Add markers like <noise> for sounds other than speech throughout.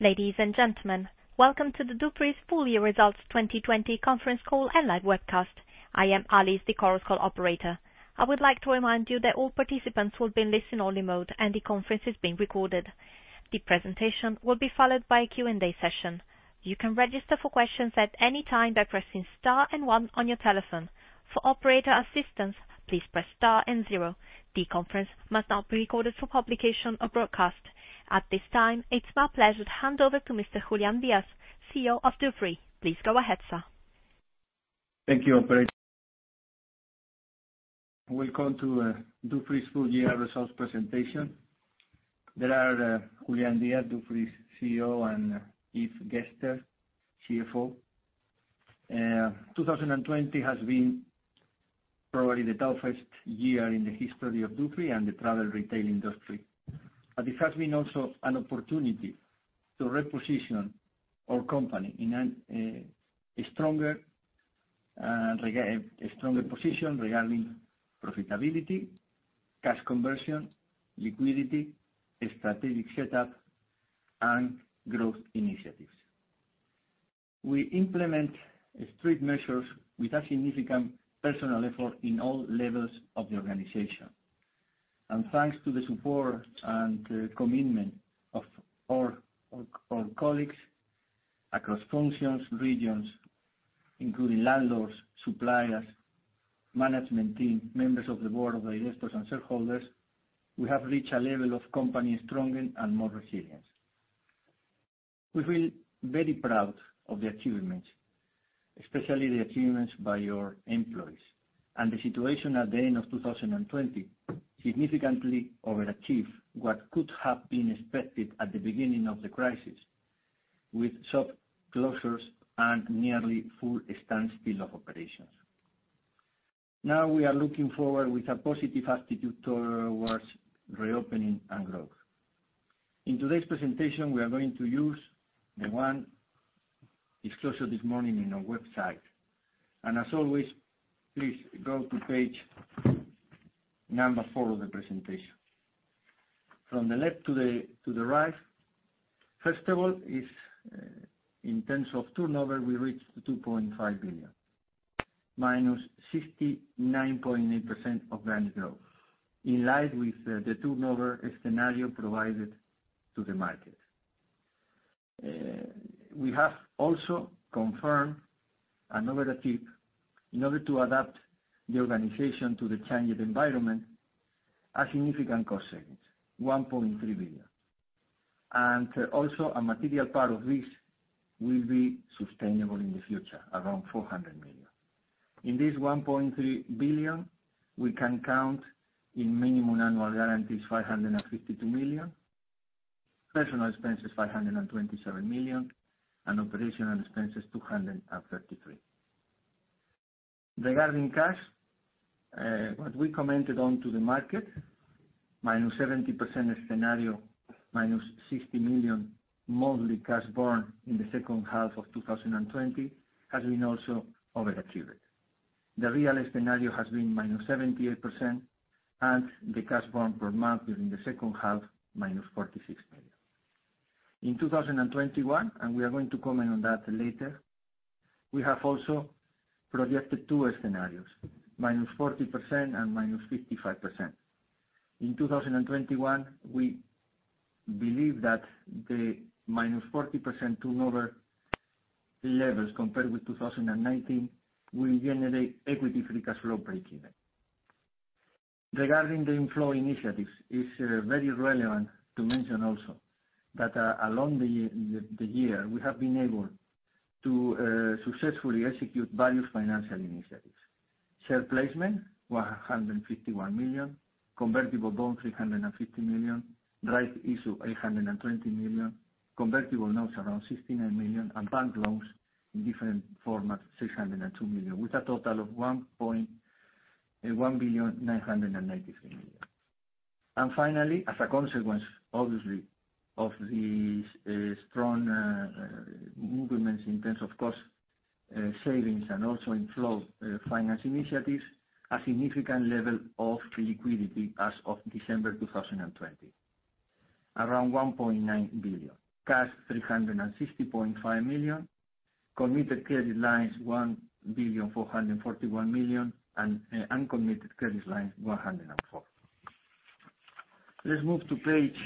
Ladies and gentlemen, welcome to the Dufry's full year results 2020 conference call and live webcast. I am Alice, the conference call operator. I would like to remind you that all participants will be in listen-only mode, and the conference is being recorded. The presentation will be followed by a Q&A session. You can register for questions at any time by pressing star and one on your telephone. For operator assistance, please press star and zero. The conference must not be recorded for publication or broadcast. At this time, it's my pleasure to hand over to Mr. Julián Díaz, CEO of Dufry. Please go ahead, sir. Thank you, operator. Welcome to Dufry's full year results presentation. There are Julián Díaz, Dufry's CEO, and Yves Gerster, CFO. 2020 has been probably the toughest year in the history of Dufry and the travel retail industry. It has been also an opportunity to reposition our company in a stronger position regarding profitability, cash conversion, liquidity, strategic setup, and growth initiatives. We implement strict measures with a significant personal effort in all levels of the organization. Thanks to the support and commitment of our colleagues across functions, regions, including landlords, suppliers, management team, members of the board, investors, and shareholders, we have reached a level of company stronger and more resilient. We feel very proud of the achievements, especially the achievements by your employees, and the situation at the end of 2020 significantly overachieved what could have been expected at the beginning of the crisis with shop closures and nearly full standstill of operations. Now we are looking forward with a positive attitude towards reopening and growth. In today's presentation, we are going to use the one disclosed this morning on our website. As always, please go to page number four of the presentation. From the left to the right, first of all is in terms of turnover, we reached 2.5 billion, -69.8% organic growth, in line with the turnover scenario provided to the market. We have also confirmed an over-achieve in order to adapt the organization to the changed environment, a significant cost savings, 1.3 billion. A material part of this will be sustainable in the future, around 400 million. In this 1.3 billion, we can count in Minimum Annual Guarantees, 552 million. Personnel expenses, 527 million, and operational expenses, 233 million. Regarding cash, what we commented on to the market, -70% scenario, -60 million, monthly cash burn in the second half of 2020, has been also overachieved. The real scenario has been -78%, and the cash burn per month during the second half, -46 million. In 2021, and we are going to comment on that later, we have also projected two scenarios, -40% and -55%. In 2021, we believe that the -40% turnover levels compared with 2019 will generate equity free cash flow breakeven. Regarding the inflow initiatives, it's very relevant to mention also that along the year, we have been able to successfully execute various financial initiatives. Share placement, 151 million, convertible bonds, 350 million, rights issue, 820 million, convertible notes around 69 million, and bank loans in different formats, 602 million, with a total of 1,993,000,000. Finally, as a consequence, obviously, of these strong movements in terms of cost savings and also inflow finance initiatives, a significant level of liquidity as of December 2020, around 1.9 billion. Cash, 360.5 million, committed credit lines, 1,441,000,000, and uncommitted credit lines, 104 million. Let's move to page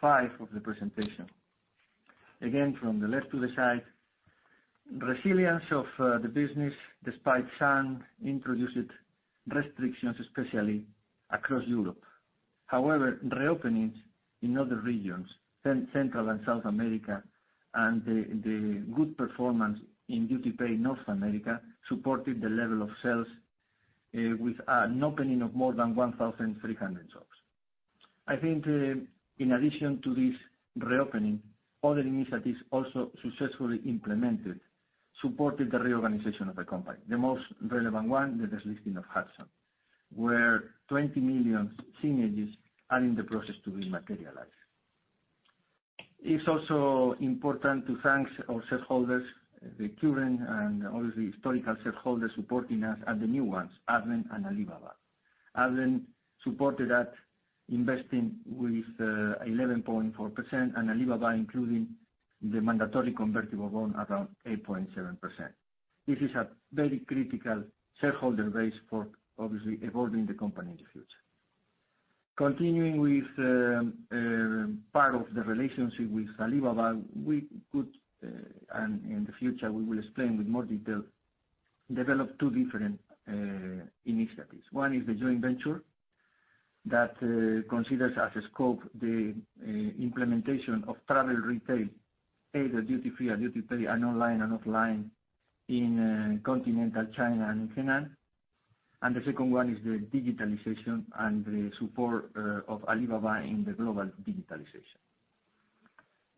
five of the presentation. Again, from the left to the right, resilience of the business despite some introduced restrictions, especially across Europe. However, reopenings in other regions, Central and South America, and the good performance in duty-paid North America, supported the level of sales with an opening of more than 1,300 shops. I think in addition to this reopening, other initiatives also successfully implemented, supported the reorganization of the company. The most relevant one, the delisting of Hudson, where 20 million synergies are in the process to be materialized. It's also important to thank our shareholders, the current and obviously historical shareholders supporting us, and the new ones, Advent and Alibaba. Advent supported that investing with 11.4%, and Alibaba, including the mandatory convertible bond, around 8.7%. This is a very critical shareholder base for obviously evolving the company in the future. Continuing with part of the relationship with Alibaba, we could, and in the future, we will explain with more detail, develop two different initiatives. One is the joint venture that considers as a scope the implementation of travel retail, either duty-free or duty-paid and online and offline in continental China and in Thailand. The second one is the digitalization and the support of Alibaba in the global digitalization.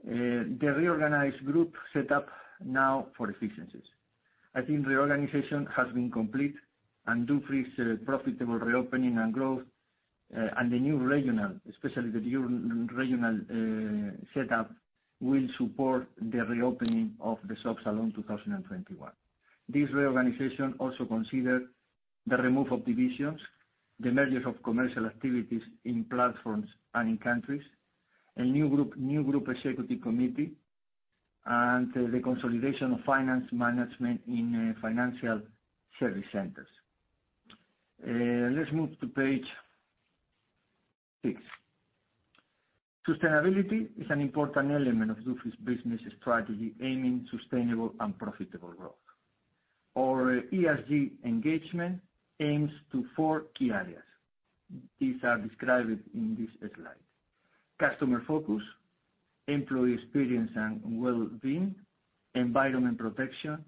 The reorganized group set up now for efficiencies. I think reorganization has been complete and Dufry's profitable reopening and growth, and the new regional, especially the new regional setup, will support the reopening of the shops along 2021. This reorganization also considered the remove of divisions, the mergers of commercial activities in platforms and in countries, a new Group Executive Committee, and the consolidation of finance management in financial service centers. Let's move to page six. Sustainability is an important element of Dufry's business strategy, aiming sustainable and profitable growth. Our ESG engagement aims to four key areas. These are described in this slide. Customer focus, employee experience and well-being, environment protection,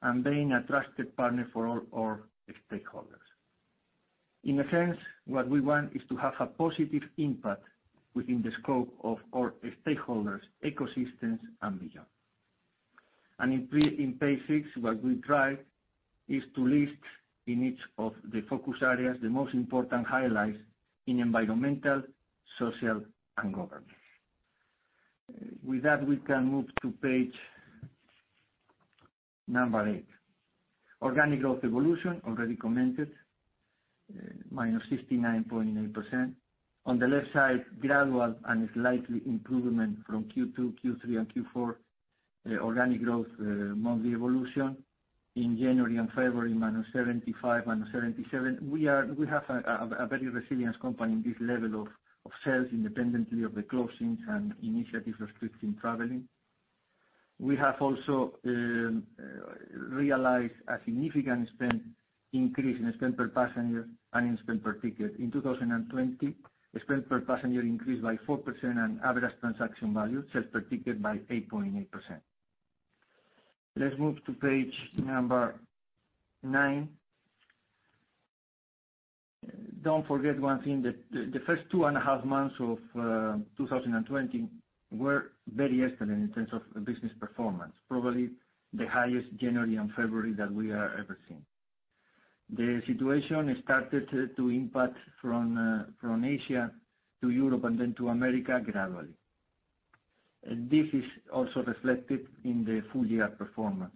and being a trusted partner for all our stakeholders. In a sense, what we want is to have a positive impact within the scope of our stakeholders, ecosystems, and beyond. In page six, what we try is to list in each of the focus areas the most important highlights in environmental, social, and government. With that, we can move to page number eight. Organic growth evolution, already commented, -69.9%. On the left side, gradual and slight improvement from Q2, Q3, and Q4 organic growth monthly evolution. In January and February, -75%, -77%. We have a very resilient company in this level of sales, independently of the closings and initiatives restricting traveling. We have also realized a significant spend increase in spend per passenger and in spend per ticket. In 2020, spend per passenger increased by 4% and average transaction value, sales per ticket, by 8.8%. Let's move to page number nine. Don't forget one thing, that the first 2.5 months of 2020 were very excellent in terms of business performance, probably the highest January and February that we have ever seen. The situation started to impact from Asia to Europe and then to America gradually. This is also reflected in the full-year performance.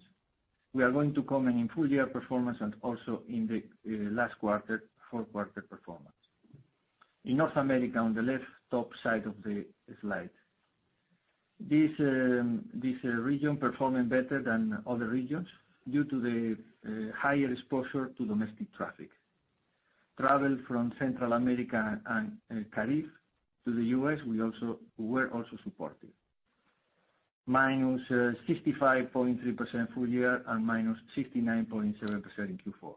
We are going to comment in full-year performance and also in the last quarter, fourth quarter performance. In North America, on the left top side of the slide, this region performing better than other regions due to the higher exposure to domestic traffic. Travel from Central America and the Caribbean to the U.S. were also supportive. -65.3% full year and -69.7% in Q4.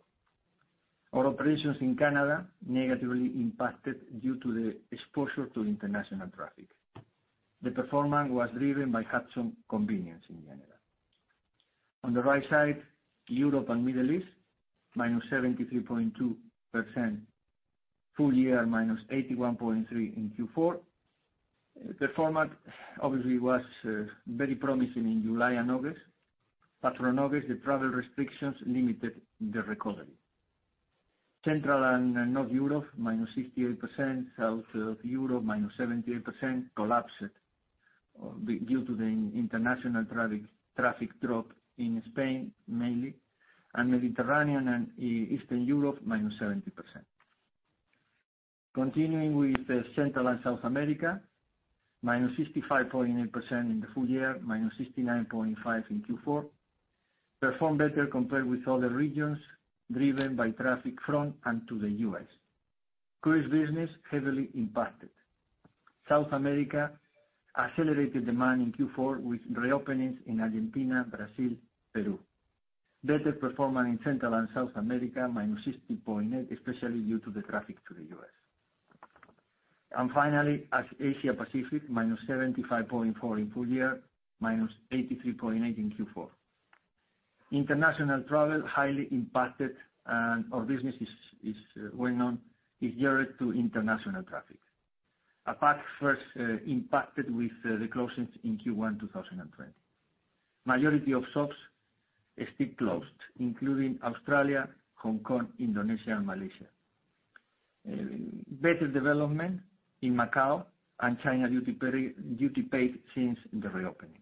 Our operations in Canada negatively impacted due to the exposure to international traffic. The performance was driven by Hudson convenience in Canada. On the right side, Europe and Middle East, -73.2% full year, -81.3% in Q4. The format obviously was very promising in July and August, from August, the travel restrictions limited the recovery. Central and North Europe, -68%, South Europe, -78%, collapsed due to the international traffic drop in Spain, mainly, and Mediterranean and Eastern Europe, -70%. Continuing with Central and South America, -65.8% in the full year, -69.5% in Q4, performed better compared with other regions, driven by traffic from and to the U.S. Cruise business heavily impacted. South America accelerated demand in Q4 with reopenings in Argentina, Brazil, Peru. Better performance in Central and South America, -60.8%, especially due to the traffic to the U.S. Finally, Asia Pacific, -75.4% in full year, -83.8% in Q4. International travel highly impacted, and our business is geared to international traffic. APAC first impacted with the closings in Q1 2020. Majority of shops still closed, including Australia, Hong Kong, Indonesia, and Malaysia. Better development in Macau and China duty-paid since the reopening.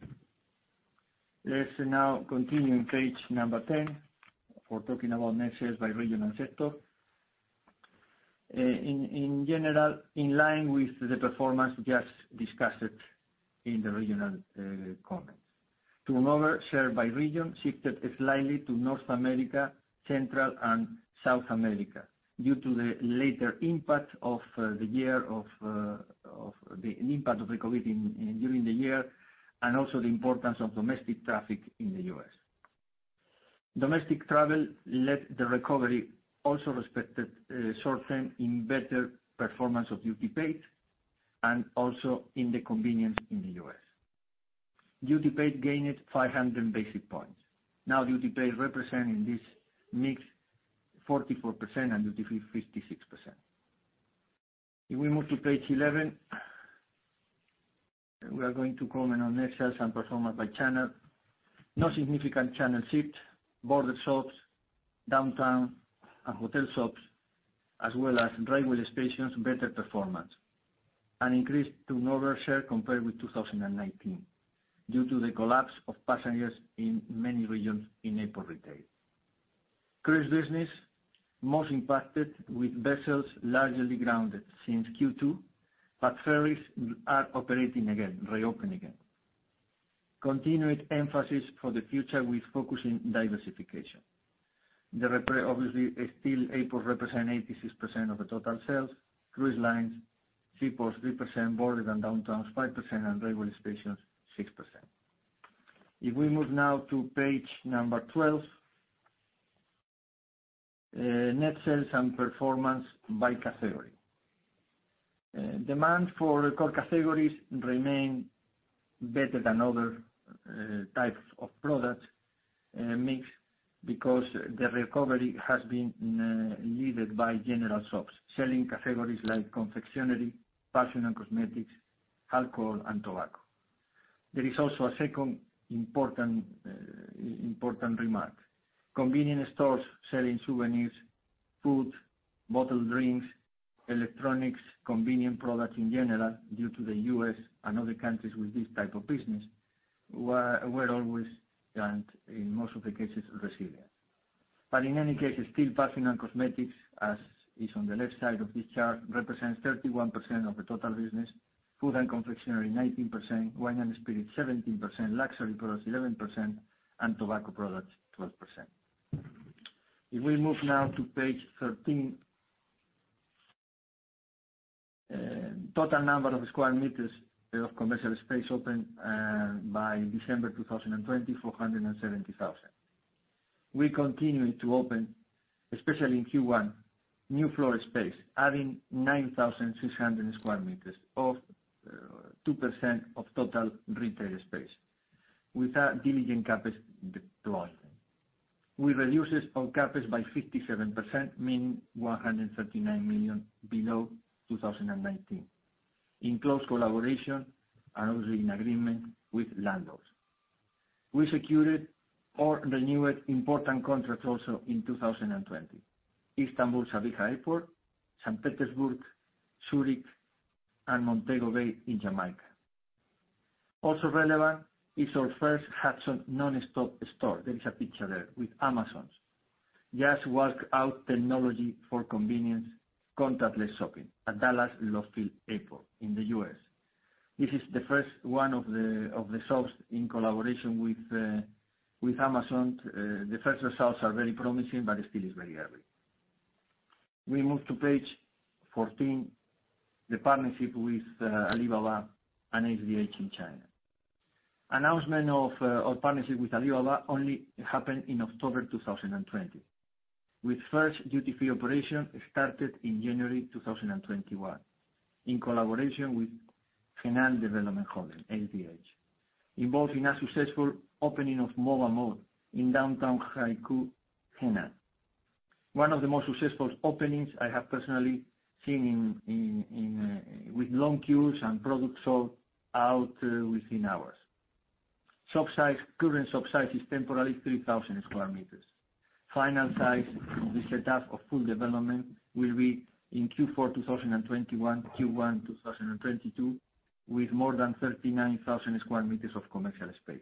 Let's now continue on page 10 for talking about net sales by region and sector. In general, in line with the performance just discussed in the regional comments. Turnover share by region shifted slightly to North America, Central and South America due to the later impact of the COVID during the year, and also the importance of domestic traffic in the U.S. Domestic travel led the recovery, also respected short-term in better performance of duty-paid and also in the convenience in the U.S. Duty-paid gained 500 basis points. Now duty-paid representing this mix 44% and duty-free 56%. We move to page 11, we are going to comment on net sales and performance by channel. No significant channel shift. Border shops, downtown, and hotel shops, as well as railway stations, better performance. An increase to turnover share compared with 2019 due to the collapse of passengers in many regions in airport retail. Cruise business most impacted with vessels largely grounded since Q2, but ferries are operating again, reopen again. Continued emphasis for the future with focus in diversification. Obviously, still airports represent 86% of the total sales. Cruise lines, seaports 3%, border and downtown is 5%, and railway stations 6%. We move now to page number 12. Net sales and performance by category. Demand for core categories remain better than other types of product mix because the recovery has been needed by general shops selling categories like confectionery, perfume and cosmetics, alcohol, and tobacco. There is also a second important remark. Convenience stores selling souvenirs, food, bottled drinks, electronics, convenient products in general, due to the U.S. and other countries with this type of business, were always, and in most of the cases, resilient. In any case, still perfume and cosmetics, as is on the left side of this chart, represents 31% of the total business. Food and confectionery 19%, wine and spirits 17%, luxury products 11%, and tobacco products 12%. If we move now to page 13. Total number of square meters of commercial space open by December 2020, 470,000 sq m. We continued to open, especially in Q1, new floor space, adding 9,600 sq m or 2% of total retail space with our diligent CapEx deployment. We reduced our CapEx by 57%, meaning 139 million below 2019, in close collaboration and also in agreement with landlords. We secured or renewed important contracts also in 2020. Istanbul Sabiha Airport, St. Petersburg, Zurich, and Montego Bay in Jamaica. Also relevant is our first Hudson non-stop store. There is a picture there with Amazon's Just Walk Out technology for convenience contactless shopping at Dallas Love Field Airport in the U.S. This is the first one of the shops in collaboration with Amazon. The first results are very promising, but still it's very early. We move to page 14, the partnership with Alibaba and LDH in China. Announcement of our partnership with Alibaba only happened in October 2020, with first duty-free operation started in January 2021 in collaboration with Hainan Development Holdings, LDH, involving a successful opening of Mova Mall in downtown Kaifeng, Hainan. One of the most successful openings I have personally seen, with long queues and products sold out within hours. Current shop size is temporarily 3,000 sq m. Final size with the start of full development will be in Q4 2021, Q1 2022, with more than 39,000 sq m of commercial space.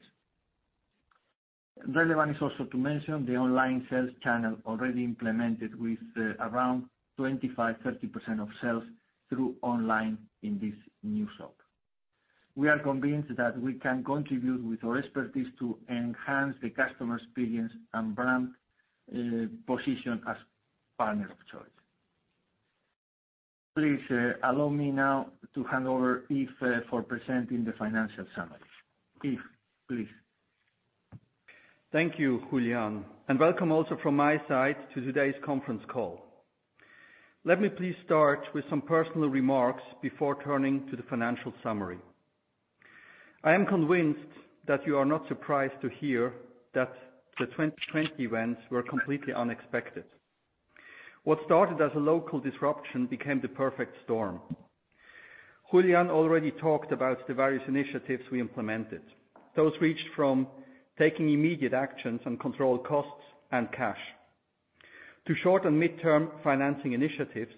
Relevant is also to mention the online sales channel already implemented with around 25%-30% of sales through online in this new shop. We are convinced that we can contribute with our expertise to enhance the customer experience and brand position as partner of choice. Please allow me now to hand over Yves for presenting the financial summary. Yves, please. Thank you, Julián, and welcome also from my side to today's conference call. Let me please start with some personal remarks before turning to the financial summary. I am convinced that you are not surprised to hear that the 2020 events were completely unexpected. What started as a local disruption became the perfect storm. Julián already talked about the various initiatives we implemented. Those reached from taking immediate actions and control costs and cash to short and midterm financing initiatives,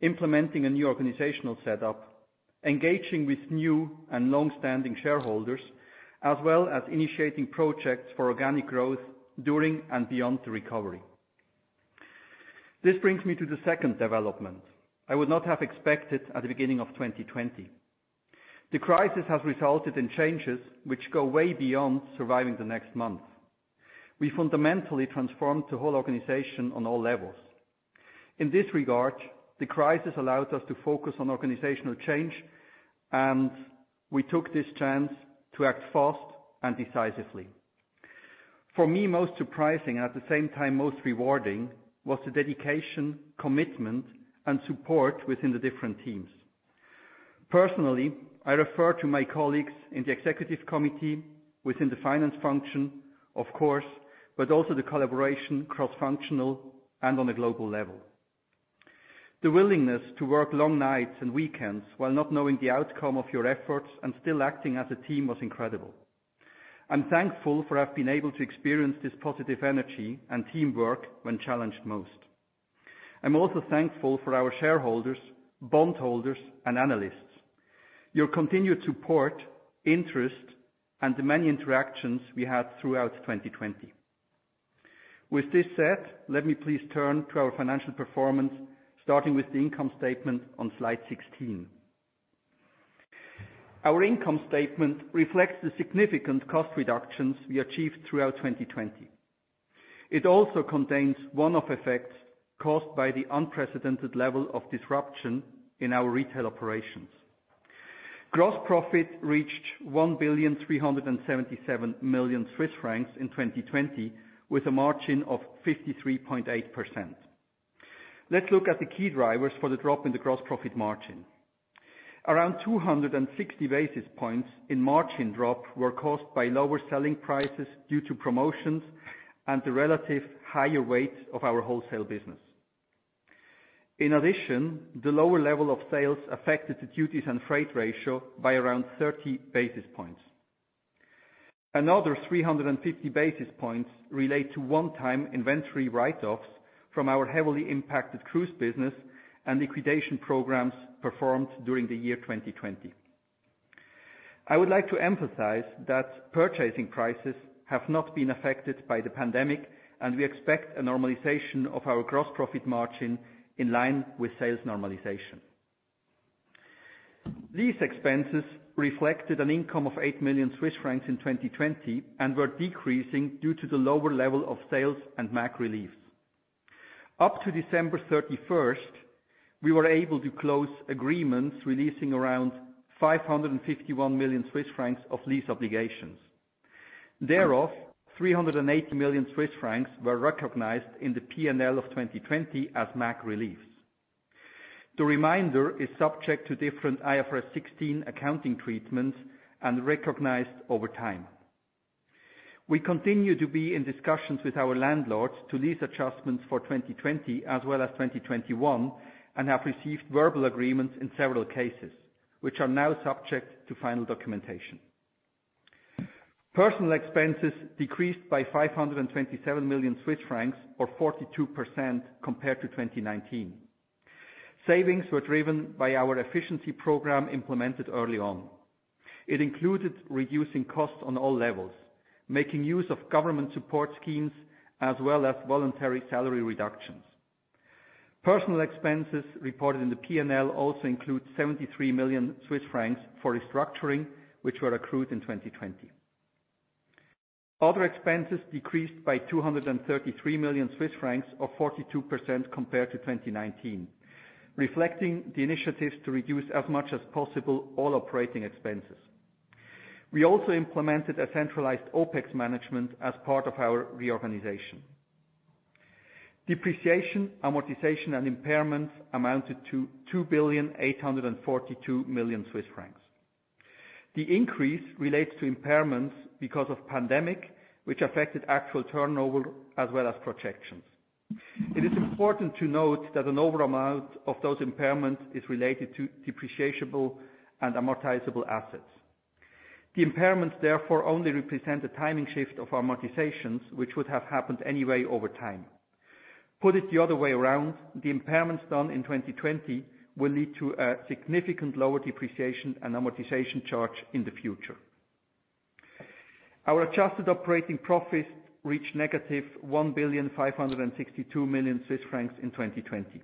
implementing a new organizational setup, engaging with new and longstanding shareholders, as well as initiating projects for organic growth during and beyond the recovery. This brings me to the second development I would not have expected at the beginning of 2020. The crisis has resulted in changes which go way beyond surviving the next month. We fundamentally transformed the whole organization on all levels. In this regard, the crisis allowed us to focus on organizational change, and we took this chance to act fast and decisively. For me, most surprising and at the same time most rewarding, was the dedication, commitment, and support within the different teams. Personally, I refer to my colleagues in the Executive Committee, within the finance function, of course, but also the collaboration, cross-functional, and on a global level. The willingness to work long nights and weekends while not knowing the outcome of your efforts and still acting as a team was incredible. I'm thankful for have been able to experience this positive energy and teamwork when challenged most. I'm also thankful for our shareholders, bondholders, and analysts, your continued support, interest, and the many interactions we had throughout 2020. With this said, let me please turn to our financial performance, starting with the income statement on slide 16. Our income statement reflects the significant cost reductions we achieved throughout 2020. It also contains one-off effects caused by the unprecedented level of disruption in our retail operations. Gross profit reached 1,377,000,000 Swiss francs in 2020, with a margin of 53.8%. Let's look at the key drivers for the drop in the gross profit margin. Around 260 basis points in margin drop were caused by lower selling prices due to promotions and the relative higher weight of our wholesale business. In addition, the lower level of sales affected the duties and freight ratio by around 30 basis points. Another 350 basis points relate to one-time inventory write-offs from our heavily impacted cruise business and liquidation programs performed during the year 2020. I would like to emphasize that purchasing prices have not been affected by the pandemic, and we expect a normalization of our gross profit margin in line with sales normalization. These expenses reflected an income of 8 million Swiss francs in 2020 and were decreasing due to the lower level of sales and MAG reliefs. Up to December 31st, we were able to close agreements releasing around 551 million Swiss francs of lease obligations. Thereof, 380 million Swiss francs were recognized in the P&L of 2020 as MAG reliefs. The remainder is subject to different IFRS 16 accounting treatments and recognized over time. We continue to be in discussions with our landlords to lease adjustments for 2020 as well as 2021, and have received verbal agreements in several cases, which are now subject to final documentation. Personal expenses decreased by 527 million Swiss francs, or 42% compared to 2019. Savings were driven by our efficiency program implemented early on. It included reducing costs on all levels, making use of government support schemes, as well as voluntary salary reductions. Personal expenses reported in the P&L also include 73 million Swiss francs for restructuring, which were accrued in 2020. Other expenses decreased by 233 million Swiss francs, or 42% compared to 2019, reflecting the initiatives to reduce as much as possible all operating expenses. We also implemented a centralized OpEx management as part of our reorganization. Depreciation, amortization, and impairments amounted to 2,842,000,000 Swiss francs. The increase relates to impairments because of pandemic, which affected actual turnover as well as projections. It is important to note that an overamount of those impairments is related to depreciable and amortizable assets. The impairments, therefore, only represent a timing shift of amortizations, which would have happened anyway over time. Put it the other way around, the impairments done in 2020 will lead to a significant lower depreciation and amortization charge in the future. Our adjusted operating profit reached -1,562,000,000 Swiss francs in 2020.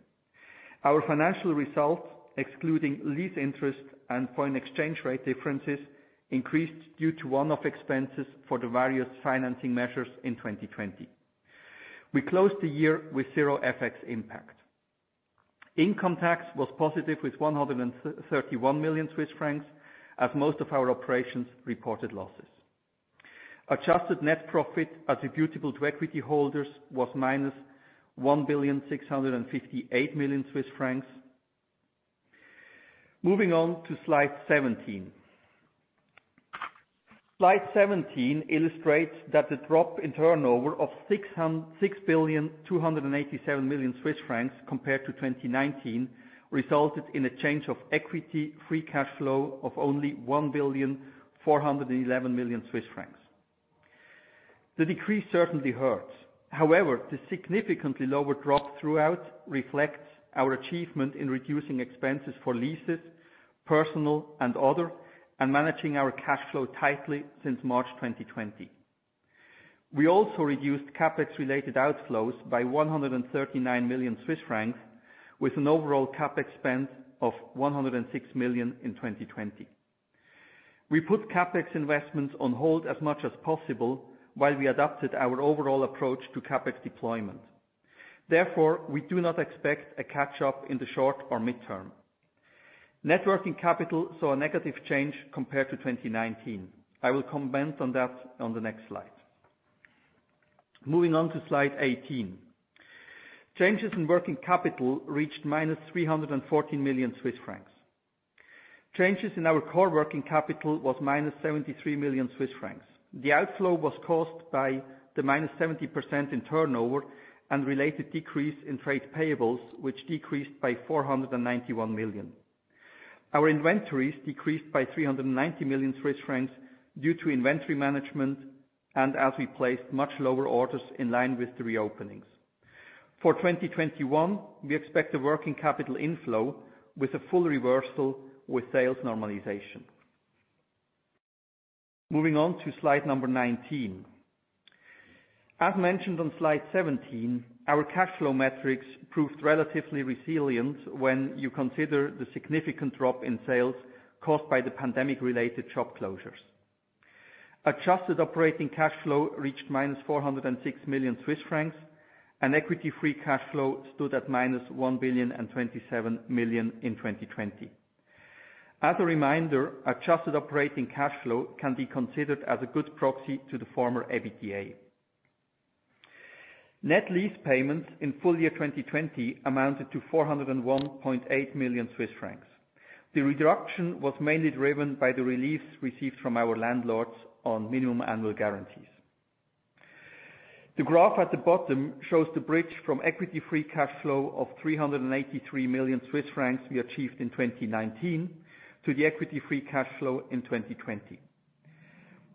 Our financial result, excluding lease interest and foreign exchange rate differences, increased due to one-off expenses for the various financing measures in 2020. We closed the year with zero FX impact. Income tax was positive with 131 million Swiss francs, as most of our operations reported losses. adjusted net profit attributable to equity holders was -1,658,000,000 Swiss francs. Moving on to slide 17. Slide 17 illustrates that the drop in turnover of 6,287,000,000 Swiss francs compared to 2019 resulted in a change of equity free cash flow of only 1,411,000,000 Swiss francs. The decrease certainly hurts. However, the significantly lower drop throughout reflects our achievement in reducing expenses for leases, personal and other, and managing our cash flow tightly since March 2020. We also reduced CapEx related outflows by 139 million Swiss francs, with an overall CapEx spend of 106 million in 2020. We put CapEx investments on hold as much as possible while we adapted our overall approach to CapEx deployment. Therefore, we do not expect a catch-up in the short or mid-term. Net working capital saw a negative change compared to 2019. I will comment on that on the next slide. Moving on to slide 18. Changes in working capital reached -314 million Swiss francs. Changes in our core working capital was -73 million Swiss francs. The outflow was caused by the -70% in turnover and related decrease in trade payables, which decreased by 491 million. Our inventories decreased by 390 million Swiss francs due to inventory management, as we placed much lower orders in line with the reopenings. For 2021, we expect a working capital inflow with a full reversal with sales normalization. Moving on to slide number 19. As mentioned on slide 17, our cash flow metrics proved relatively resilient when you consider the significant drop in sales caused by the pandemic-related shop closures. Adjusted operating cash flow reached -406 million Swiss francs, equity free cash flow stood at -1,027,000,000 in 2020. As a reminder, adjusted operating cash flow can be considered as a good proxy to the former EBITDA. Net lease payments in full year 2020 amounted to 401.8 million Swiss francs. The reduction was mainly driven by the reliefs received from our landlords on Minimum Annual Guarantees. The graph at the bottom shows the bridge from equity free cash flow of 383 million Swiss francs we achieved in 2019, to the equity free cash flow in 2020.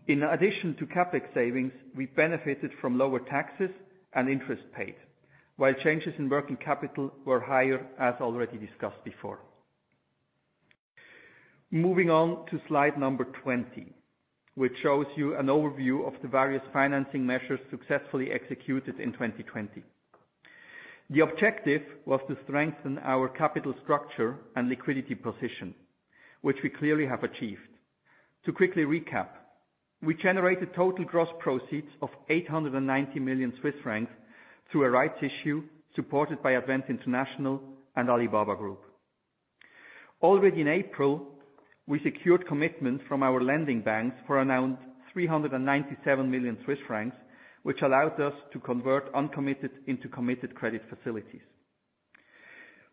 In addition to CapEx savings, we benefited from lower taxes and interest paid, while changes in working capital were higher as already discussed before. Moving on to slide number 20, which shows you an overview of the various financing measures successfully executed in 2020. The objective was to strengthen our capital structure and liquidity position, which we clearly have achieved. To quickly recap, we generated total gross proceeds of 890 million Swiss francs through a rights issue supported by Advent International and Alibaba Group. Already in April, we secured commitments from our lending banks for around 397 million Swiss francs, which allowed us to convert uncommitted into committed credit facilities.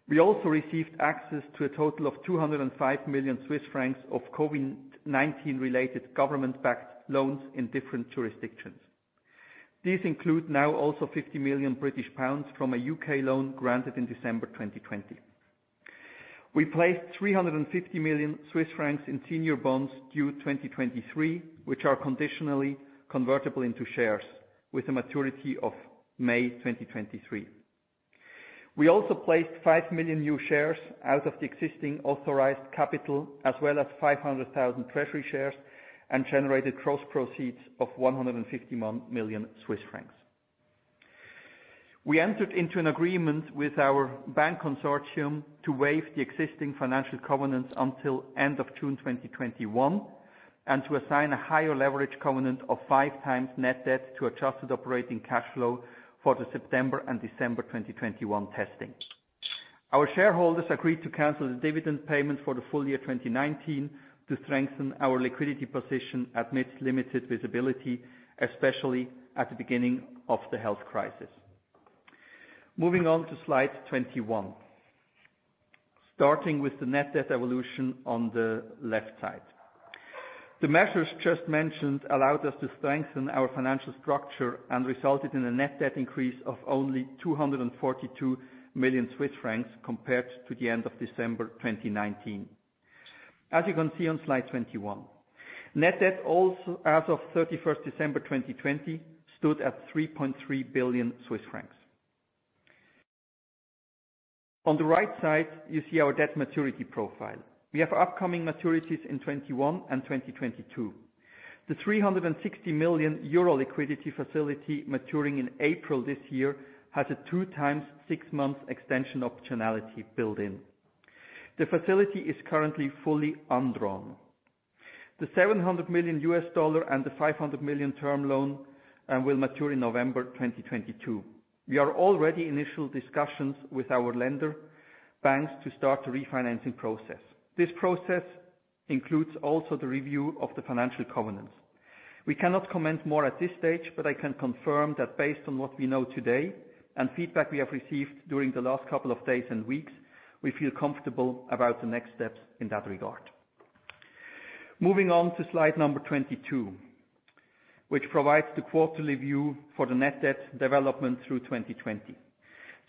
We also received access to a total of 205 million Swiss francs of COVID-19 related government-backed loans in different jurisdictions. These include now also 50 million British pounds from a U.K. loan granted in December 2020. We placed 350 million Swiss francs in senior bonds due 2023, which are conditionally convertible into shares with a maturity of May 2023. We also placed five million new shares out of the existing authorized capital, as well as 500,000 treasury shares, and generated gross proceeds of 150 million Swiss francs. We entered into an agreement with our bank consortium to waive the existing financial covenants until end of June 2021, and to assign a higher leverage covenant of 5x net debt to adjusted operating cash flow for the September and December 2021 testing. Our shareholders agreed to cancel the dividend payment for the full year 2019 to strengthen our liquidity position amidst limited visibility, especially at the beginning of the health crisis. Moving on to slide 21. Starting with the net debt evolution on the left side. The measures just mentioned allowed us to strengthen our financial structure and resulted in a net debt increase of only 242 million Swiss francs compared to the end of December 2019. As you can see on slide 21, net debt as of 31st December 2020 stood at 3.3 billion Swiss francs. On the right side, you see our debt maturity profile. We have upcoming maturities in 2021 and 2022. The CHF 360 million liquidity facility maturing in April this year has a two times six months extension optionality built in. The facility is currently fully undrawn. The $700 million and the 500 million term loan will mature in November 2022. We are already in initial discussions with our lender banks to start the refinancing process. This process includes also the review of the financial covenants. We cannot comment more at this stage. I can confirm that based on what we know today and feedback we have received during the last couple of days and weeks, we feel comfortable about the next steps in that regard. Moving on to slide number 22, which provides the quarterly view for the net debt development through 2020.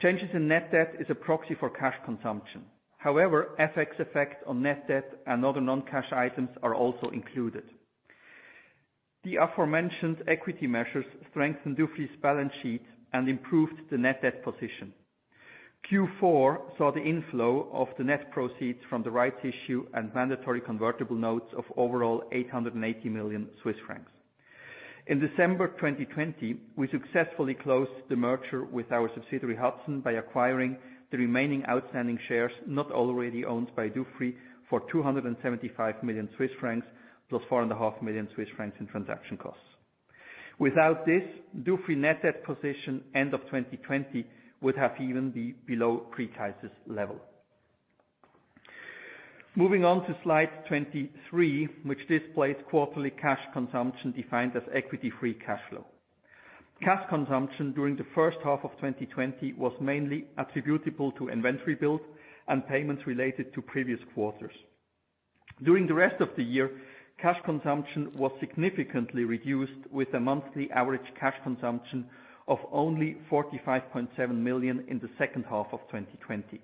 Changes in net debt is a proxy for cash consumption. FX effect on net debt and other non-cash items are also included. The aforementioned equity measures strengthened Dufry's balance sheet and improved the net debt position. Q4 saw the inflow of the net proceeds from the rights issue and mandatory convertible notes of overall 880 million Swiss francs. In December 2020, we successfully closed the merger with our subsidiary, Hudson, by acquiring the remaining outstanding shares not already owned by Dufry for 275 million Swiss francs + 4.5 million Swiss francs in transaction costs. Without this, Dufry net debt position end of 2020 would have even been below pre-crisis level. Moving on to slide 23, which displays quarterly cash consumption defined equity free cash flow. Cash consumption during the first half of 2020 was mainly attributable to inventory build and payments related to previous quarters. During the rest of the year, cash consumption was significantly reduced with a monthly average cash consumption of only 45.7 million in the second half of 2020.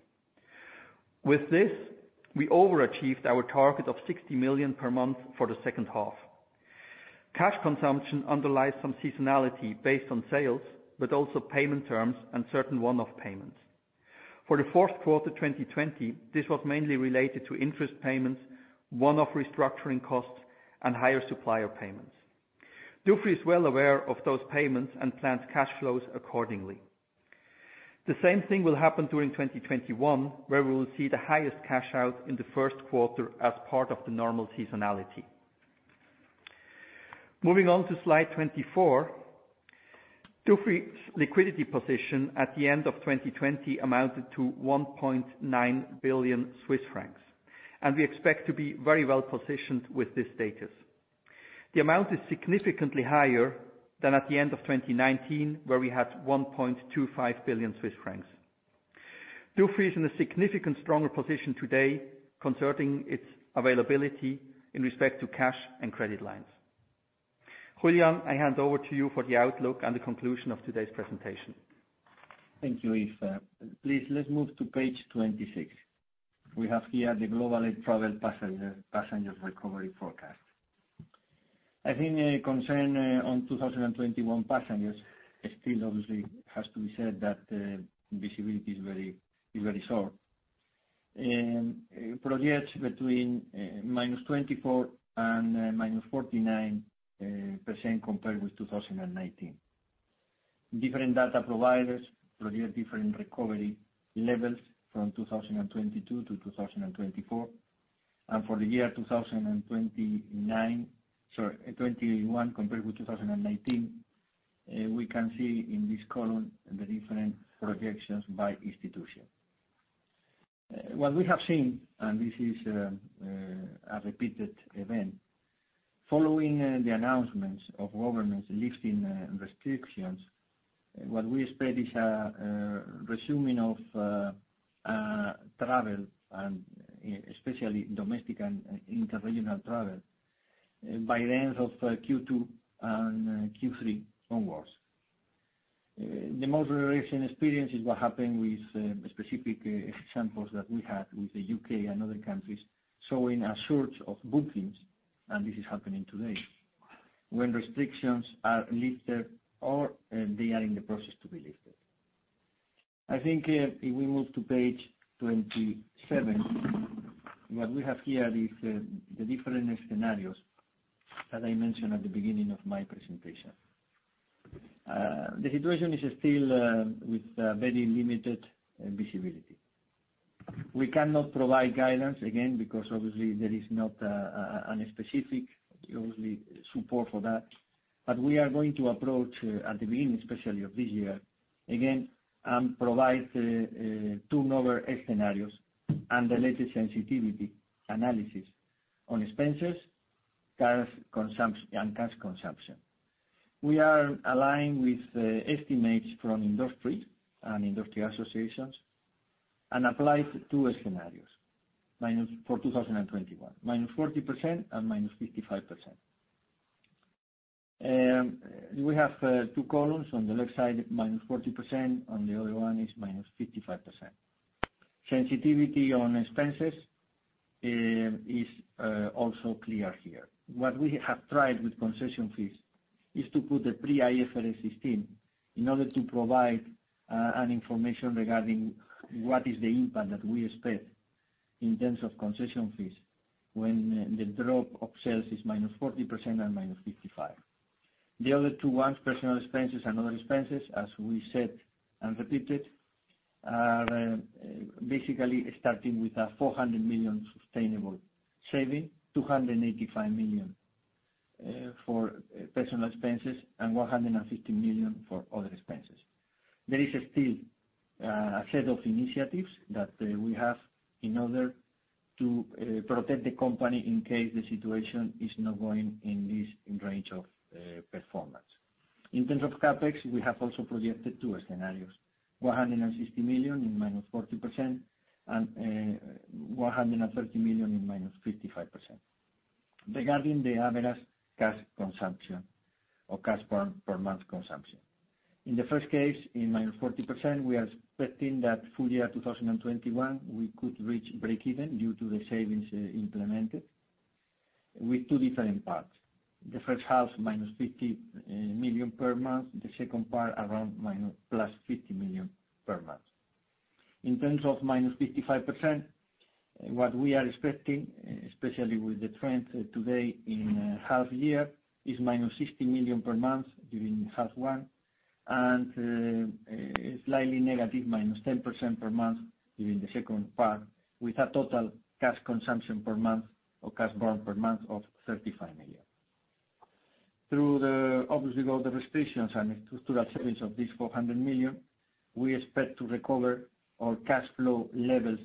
With this, we overachieved our target of 60 million per month for the second half. Cash consumption underlies some seasonality based on sales, but also payment terms and certain one-off payments. For the fourth quarter 2020, this was mainly related to interest payments, one-off restructuring costs, and higher supplier payments. Dufry is well aware of those payments and plans cash flows accordingly. The same thing will happen during 2021, where we will see the highest cash out in the first quarter as part of the normal seasonality. Moving on to slide 24. Dufry's liquidity position at the end of 2020 amounted to 1.9 billion Swiss francs, and we expect to be very well-positioned with this status. The amount is significantly higher than at the end of 2019, where we had 1.25 billion Swiss francs. Dufry is in a significant stronger position today concerning its availability in respect to cash and credit lines. Julián, I hand over to you for the outlook and the conclusion of today's presentation. Thank you, Yves. Please let's move to page 26. We have here the global air travel passengers recovery forecast. I think a concern on 2021 passengers still obviously has to be said that the visibility is very short, projects between -24% and -49% compared with 2019. Different data providers project different recovery levels from 2022 to 2024. For the year 2021 compared with 2019, we can see in this column the different projections by institution. What we have seen, and this is a repeated event, following the announcements of governments lifting restrictions, what we expect is a resuming of travel and especially domestic and inter-regional travel by the end of Q2 and Q3 onwards. The most recent experience is what happened with specific examples that we had with the U.K. and other countries showing a surge of bookings, and this is happening today when restrictions are lifted or they are in the process to be lifted. I think if we move to page 27, what we have here is the different scenarios that I mentioned at the beginning of my presentation. The situation is still with very limited visibility. We cannot provide guidance again because obviously there is not a specific support for that. We are going to approach at the beginning, especially of this year, again, and provide two number eight scenarios and the latest sensitivity analysis on expenses and cash consumption. We are aligned with the estimates from industry and industry associations and apply two scenarios for 2021, -40% and -55%. We have two columns. On the left side, -40%. On the other one is -55%. Sensitivity on expenses is also clear here. What we have tried with concession fees is to put the pre-IFRS 16 in order to provide an information regarding what is the impact that we expect in terms of concession fees when the drop of sales is -40% and -55%. The other two ones, personal expenses and other expenses, as we said and repeated, are basically starting with a 400 million sustainable saving, 285 million for personal expenses and 150 million for other expenses. There is still a set of initiatives that we have in order to protect the company in case the situation is not going in this range of performance. In terms of CapEx, we have also projected two scenarios, 160 million in -40% and 130 million in -55%. Regarding the average cash consumption or cash burn per month consumption. In the first case, in -40%, we are expecting that full year 2021, we could reach breakeven due to the savings implemented with two different parts. The first half, -50 million per month. The second part, around +50 million per month. In terms of -55%, what we are expecting, especially with the trend today in half year, is -60 million per month during half one, and slightly negative, -10% per month during the second part, with a total cash consumption per month or cash burn per month of 35 million. Obviously, with all the restrictions and structural savings of this 400 million, we expect to recover our cash flow levels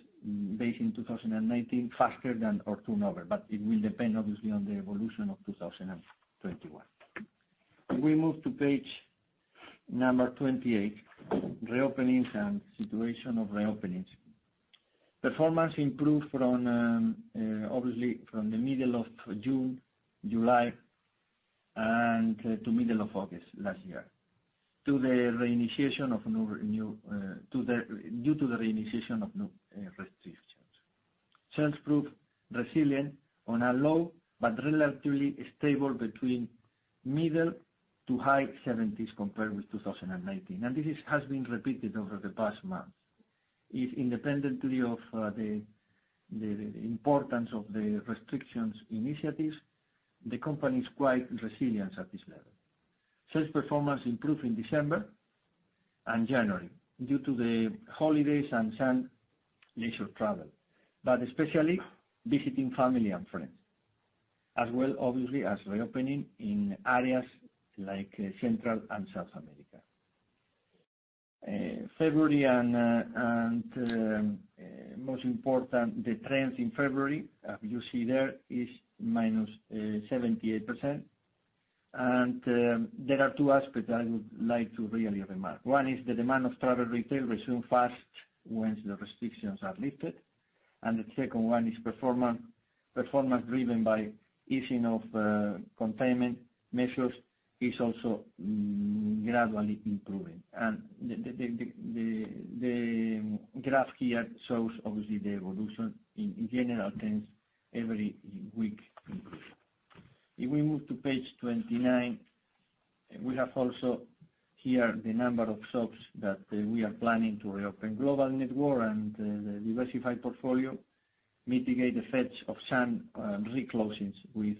based in 2019 faster than our turnover, but it will depend, obviously, on the evolution of 2021. If we move to page number 28, reopenings and situation of reopenings. Performance improved, obviously, from the middle of June, July, and to middle of August last year due to the reinitiation of new restrictions. Sales proved resilient on a low but relatively stable between middle to high 70%s compared with 2019. This has been repeated over the past month. Independently of the importance of the restrictions initiatives, the company is quite resilient at this level. Sales performance improved in December and January due to the holidays and some leisure travel, but especially visiting family and friends, as well obviously as reopening in areas like Central and South America. Most important, the trends in February, as you see there, is -78%. There are two aspects I would like to really remark. One is the demand of travel retail resumes fast once the restrictions are lifted. The second one is performance driven by easing of containment measures is also gradually improving. The graph here shows, obviously, the evolution in general terms every week improve. If we move to page 29, we have also here the number of shops that we are planning to reopen. Global network and the diversified portfolio mitigate the effects of some reclosings with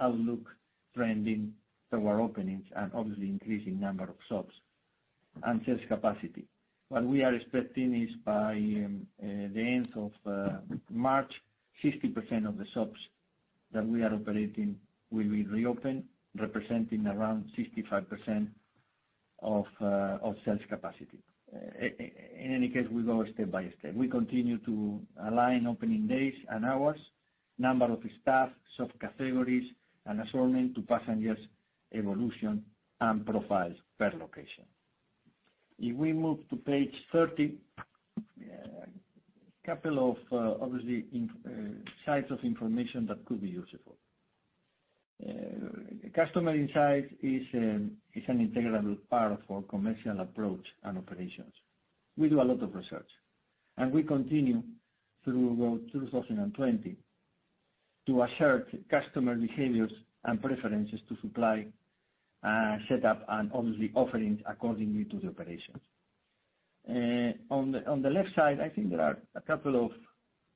outlook trending toward openings and obviously increasing number of shops and sales capacity. What we are expecting is by the end of March, 60% of the shops that we are operating will be reopened, representing around 65% of sales capacity. In any case, we go step by step. We continue to align opening days and hours, number of staff, sub-categories, and assortment to passengers evolution and profiles per location. If we move to page 30, couple of obviously insights of information that could be useful. Customer insight is an integral part of our commercial approach and operations. We do a lot of research, and we continue throughout 2020 to assert customer behaviors and preferences to supply, set up, and obviously offerings accordingly to the operations. On the left side, I think there are a couple of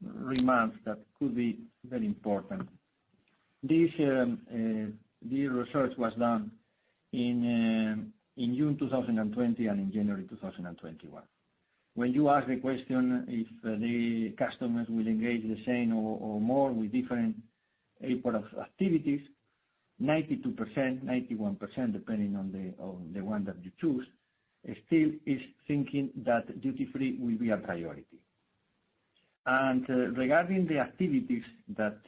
remarks that could be very important. This research was done in June 2020 and in January 2021. When you ask the question if the customers will engage the same or more with different airport activities, 92%, 91%, depending on the one that you choose, still is thinking that duty-free will be a priority. Regarding the activities that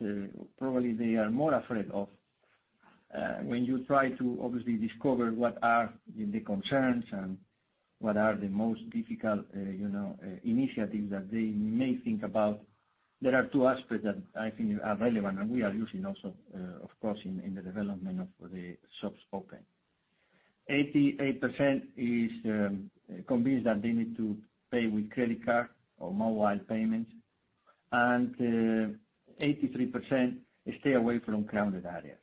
probably they are more afraid of, when you try to obviously discover what are the concerns and what are the most difficult initiatives that they may think about, there are two aspects that I think are relevant, and we are using also, of course, in the development of the shops open. 88% is convinced that they need to pay with credit card or mobile payments, and 83% stay away from crowded areas.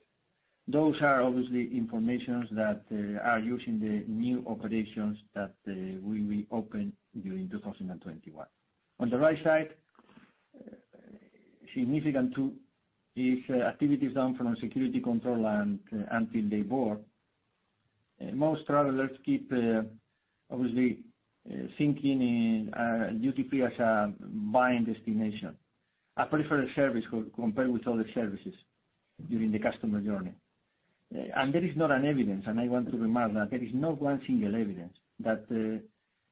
Those are obviously information that are used the new operations that we will open during 2021. On the right side, significant too, is activities done from a security control and until they board. Most travelers keep obviously thinking duty-free as a buying destination, a preferred service compared with other services during the customer journey. There is not an evidence, and I want to remind that there is no one single evidence that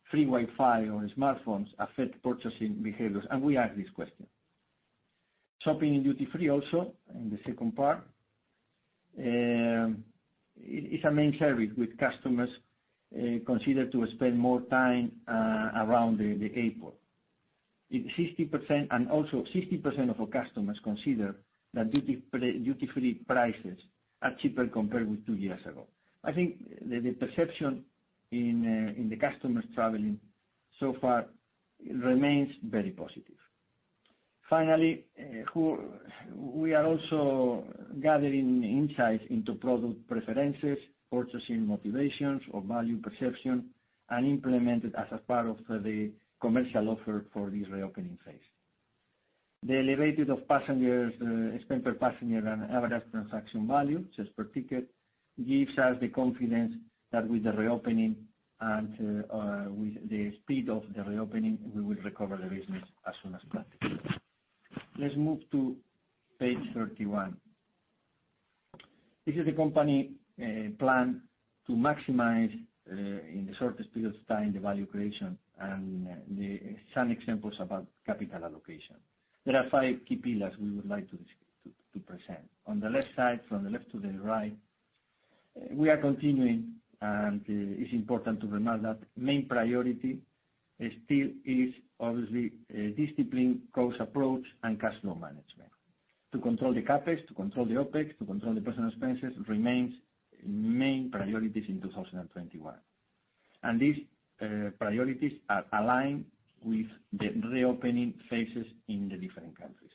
free Wi-Fi or smartphones affect purchasing behaviors, and we ask this question. Shopping in duty-free also, in the second part, it's a main service with customers consider to spend more time around the airport. Also 60% of our customers consider that duty-free prices are cheaper compared with two years ago. I think the perception in the customers traveling so far remains very positive. Finally, we are also gathering insights into product preferences, purchasing motivations or value perception, and implement it as a part of the commercial offer for this reopening phase. The elevated of spend per passenger and average transaction value, just per ticket, gives us the confidence that with the reopening and with the speed of the reopening, we will recover the business as soon as possible. Let's move to page 31. This is the company plan to maximize in the shortest period of time, the value creation and some examples about capital allocation. There are five key pillars we would like to present. On the left side, from the left to the right, we are continuing. It's important to remind that main priority still is obviously discipline, cost approach, and cash flow management. To control the CapEx, to control the OpEx, to control the personal expenses remains main priorities in 2021. These priorities are aligned with the reopening phases in the different countries.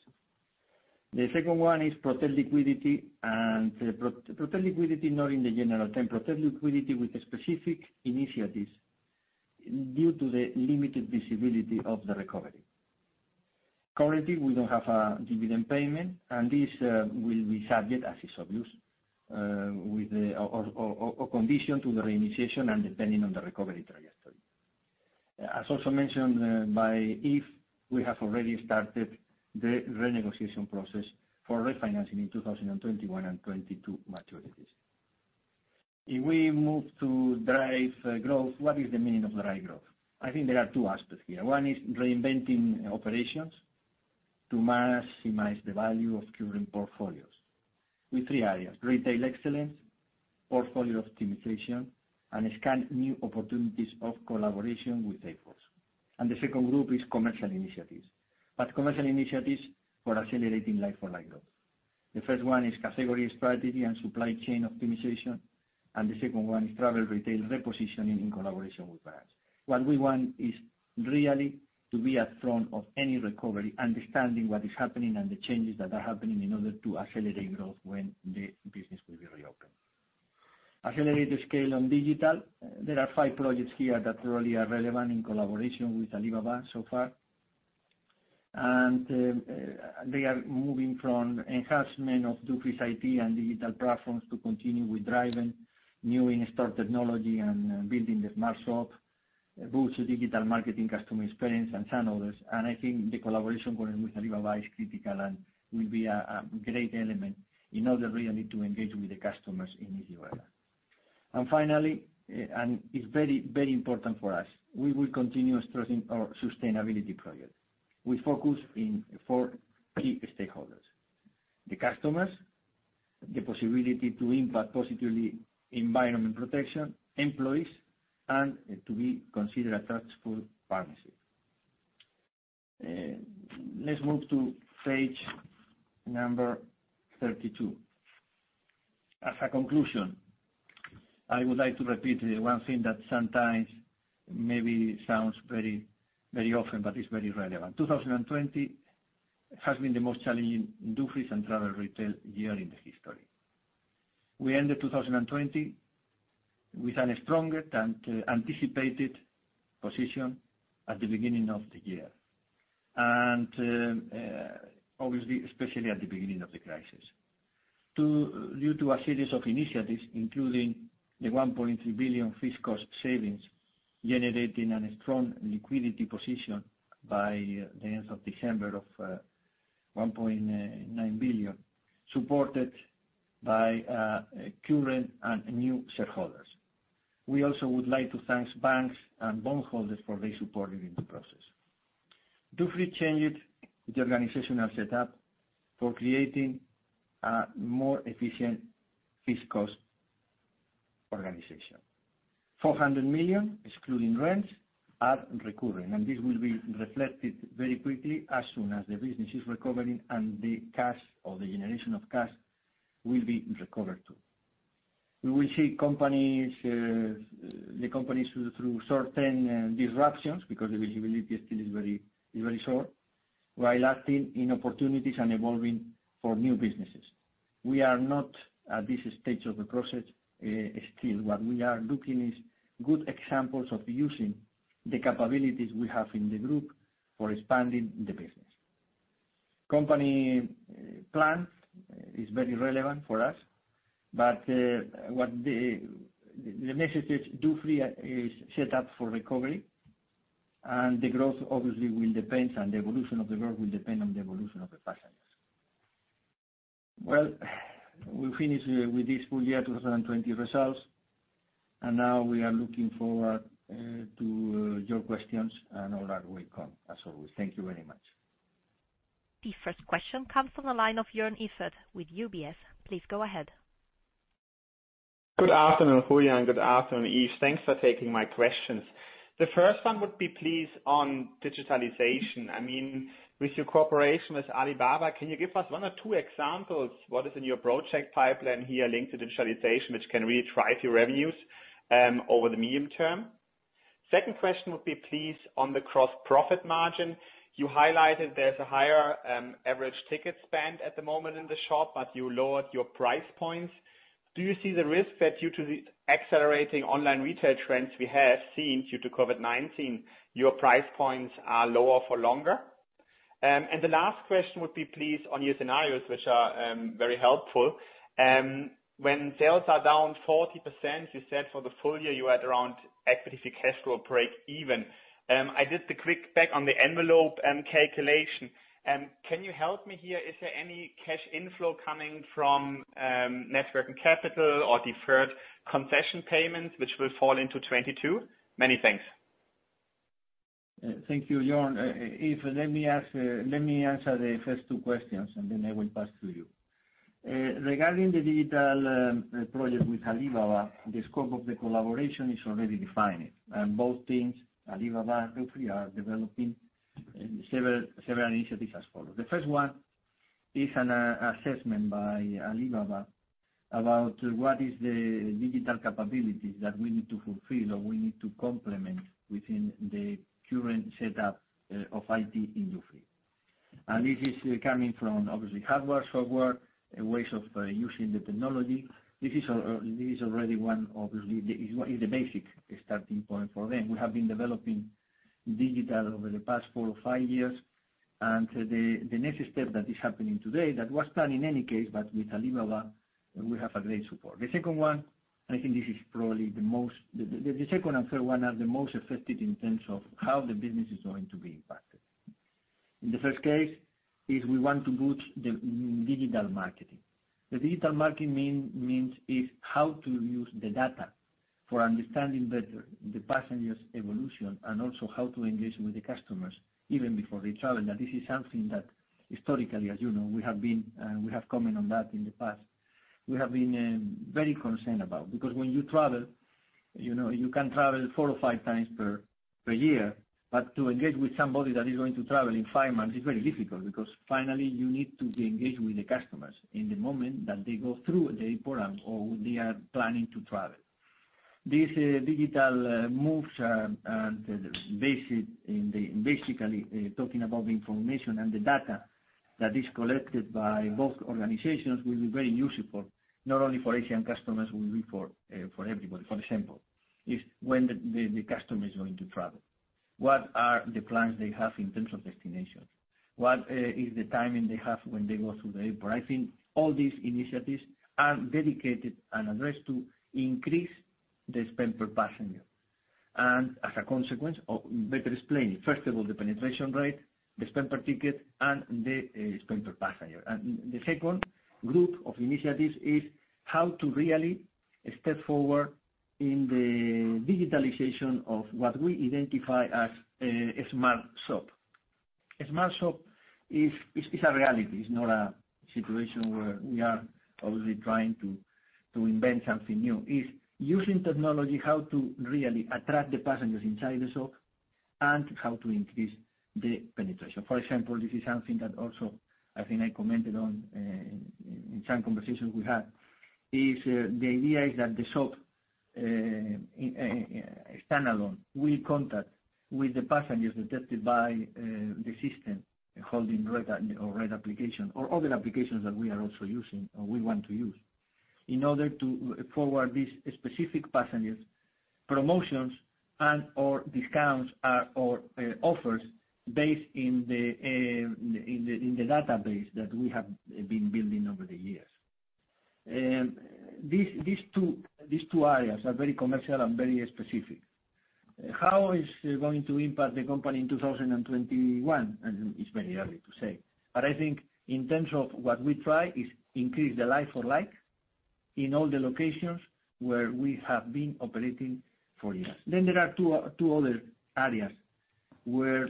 The second one is protect liquidity. Protect liquidity, not in the general term. Protect liquidity with specific initiatives due to the limited visibility of the recovery. Currently, we don't have a dividend payment, and this will be subject, as is obvious, or condition to the renegotiation and depending on the recovery trajectory. As also mentioned by Yves, we have already started the renegotiation process for refinancing in 2021 and 2022 maturities. If we move to drive growth, what is the meaning of drive growth? I think there are two aspects here. One is reinventing operations to maximize the value of current portfolios. With three areas, retail excellence, portfolio optimization, and scan new opportunities of collaboration with airports. The second group is commercial initiatives, commercial initiatives for accelerating like-for-like growth. The first one is categories strategy and supply chain optimization, the second one is travel retail repositioning in collaboration with brands. What we want is really to be at front of any recovery, understanding what is happening and the changes that are happening in order to accelerate growth when the business will be reopened. Accelerate scale on digital. There are five projects here that really are relevant in collaboration with Alibaba so far. They are moving from enhancement of Dufry's IT and digital platforms to continue with driving new in-store technology and building the smart shop, boost digital marketing, customer experience, and channel. I think the collaboration going with Alibaba is critical and will be a great element in order really to engage with the customers in this area. Finally, it's very important for us, we will continue stressing our sustainability project. We focus in four key stakeholders. The customers, the possibility to impact positively environment protection, employees, and to be considered a truthful partnership. Let's move to page number 32. As a conclusion, I would like to repeat one thing that sometimes maybe sounds very often, but it's very relevant. 2020 has been the most challenging Dufry's and travel retail year in the history. We ended 2020 with an stronger than anticipated position at the beginning of the year, and obviously, especially at the beginning of the crisis. Due to a series of initiatives, including the 1.3 billion fixed cost savings, generating a strong liquidity position by the end of December of 1.9 billion, supported by current and new shareholders. We also would like to thank banks and bondholders for their support during the process. Dufry changed the organizational set up for creating a more efficient fixed cost organization. 400 million, excluding rents, are recurring. This will be reflected very quickly as soon as the business is recovering. The cash or the generation of cash will be recovered too. We will see the companies through certain disruptions because the visibility still is very short, while acting in opportunities and evolving for new businesses. We are not at this stage of the process still. What we are looking is good examples of using the capabilities we have in the group for expanding the business. The company plan is very relevant for us. The message is Dufry is set up for recovery. The growth obviously will depend. The evolution of the growth will depend on the evolution of the passengers. Well, we finish here with this full year 2020 results. Now we are looking forward to your questions and all that will come as always. Thank you very much. The first question comes from the line of Joern Iffert with UBS. Please go ahead. Good afternoon, Julián. Good afternoon, Yves. Thanks for taking my questions. The first one would be please on digitalization. With your cooperation with Alibaba, can you give us one or two examples? What is in your project pipeline here linked to digitalization, which can really drive your revenues over the medium term? Second question would be please on the gross profit margin. You highlighted there's a higher average ticket spend at the moment in the shop, but you lowered your price points. Do you see the risk that due to the accelerating online retail trends we have seen due to COVID-19, your price points are lower for longer? The last question would be please on your scenarios, which are very helpful. When sales are down 40%, you said for the full year you had around EBITDA cash flow break even. I did the quick back-of-the-envelope calculation. Can you help me here? Is there any cash inflow coming from net working capital or deferred concession payments which will fall into 2022? Many thanks. Thank you, Joern. Yves, let me answer the first two questions. Then I will pass to you. Regarding the digital project with Alibaba, the scope of the collaboration is already defined. Both teams, Alibaba and Dufry, are developing several initiatives as follows. The first one is an assessment by Alibaba about what is the digital capabilities that we need to fulfill or we need to complement within the current setup of IT in Dufry. This is coming from obviously hardware, software, ways of using the technology. This is already one, obviously, is the basic starting point for them. We have been developing digital over the past four or five years. The next step that is happening today, that was planned in any case, with Alibaba, we have a great support. The second and third one are the most affected in terms of how the business is going to be impacted. In the first case is we want to boost the digital marketing. The digital marketing means is how to use the data for understanding better the passengers' evolution and also how to engage with the customers even before they travel. Now, this is something that historically, as you know, we have comment on that in the past. We have been very concerned about, because when you travel, you can travel four or five times per year, but to engage with somebody that is going to travel in five months is very difficult because finally, you need to be engaged with the customers in the moment that they go through the airport or they are planning to travel. These digital moves are basically talking about the information and the data that is collected by both organizations will be very useful, not only for Asian customers, will be for everybody. For example, if when the customer is going to travel, what are the plans they have in terms of destinations? What is the timing they have when they go through the airport? I think all these initiatives are dedicated and addressed to increase the spend per passenger. As a consequence, or better explain, first of all, the penetration rate, the spend per ticket, and the spend per passenger. The second group of initiatives is how to really step forward in the digitalization of what we identify as a smart shop. A smart shop is a reality. It's not a situation where we are obviously trying to invent something new. Is using technology, how to really attract the passengers inside the shop, and how to increase the penetration. For example, this is something that also, I think I commented on in some conversations we had, is the idea is that the shop standalone will contact with the passengers detected by the system holding red application or other applications that we are also using or we want to use in order to forward these specific passengers promotions and/or discounts or offers based on the database that we have been building over the years. These two areas are very commercial and very specific. How is it going to impact the company in 2021? It's very early to say. I think in terms of what we try is increase the like-for-like in all the locations where we have been operating for years. There are three other areas where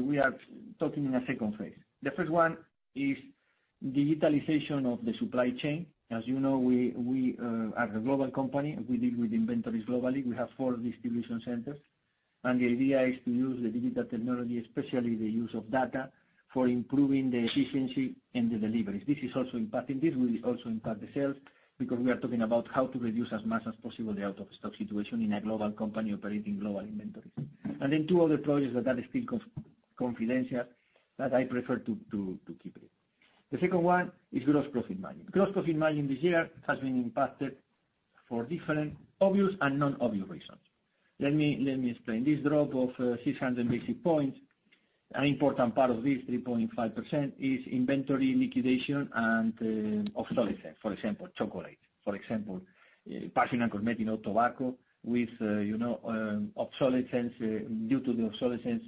we are talking in a second phase. The first one is digitalization of the supply chain. As you know, we are a global company. We deal with inventories globally. We have four distribution centers, and the idea is to use the digital technology, especially the use of data, for improving the efficiency and the deliveries. This will also impact the sales because we are talking about how to reduce as much as possible the out-of-stock situation in a global company operating global inventories. Two other projects that are still confidential that I prefer to keep it in. The second one is gross profit margin. Gross profit margin this year has been impacted for different obvious and non-obvious reasons. Let me explain. This drop of 600 basis points. An important part of this 3.5% is inventory liquidation and obsolescence. For example, chocolate. For example, personal cosmetic or tobacco with obsolescence, due to the obsolescence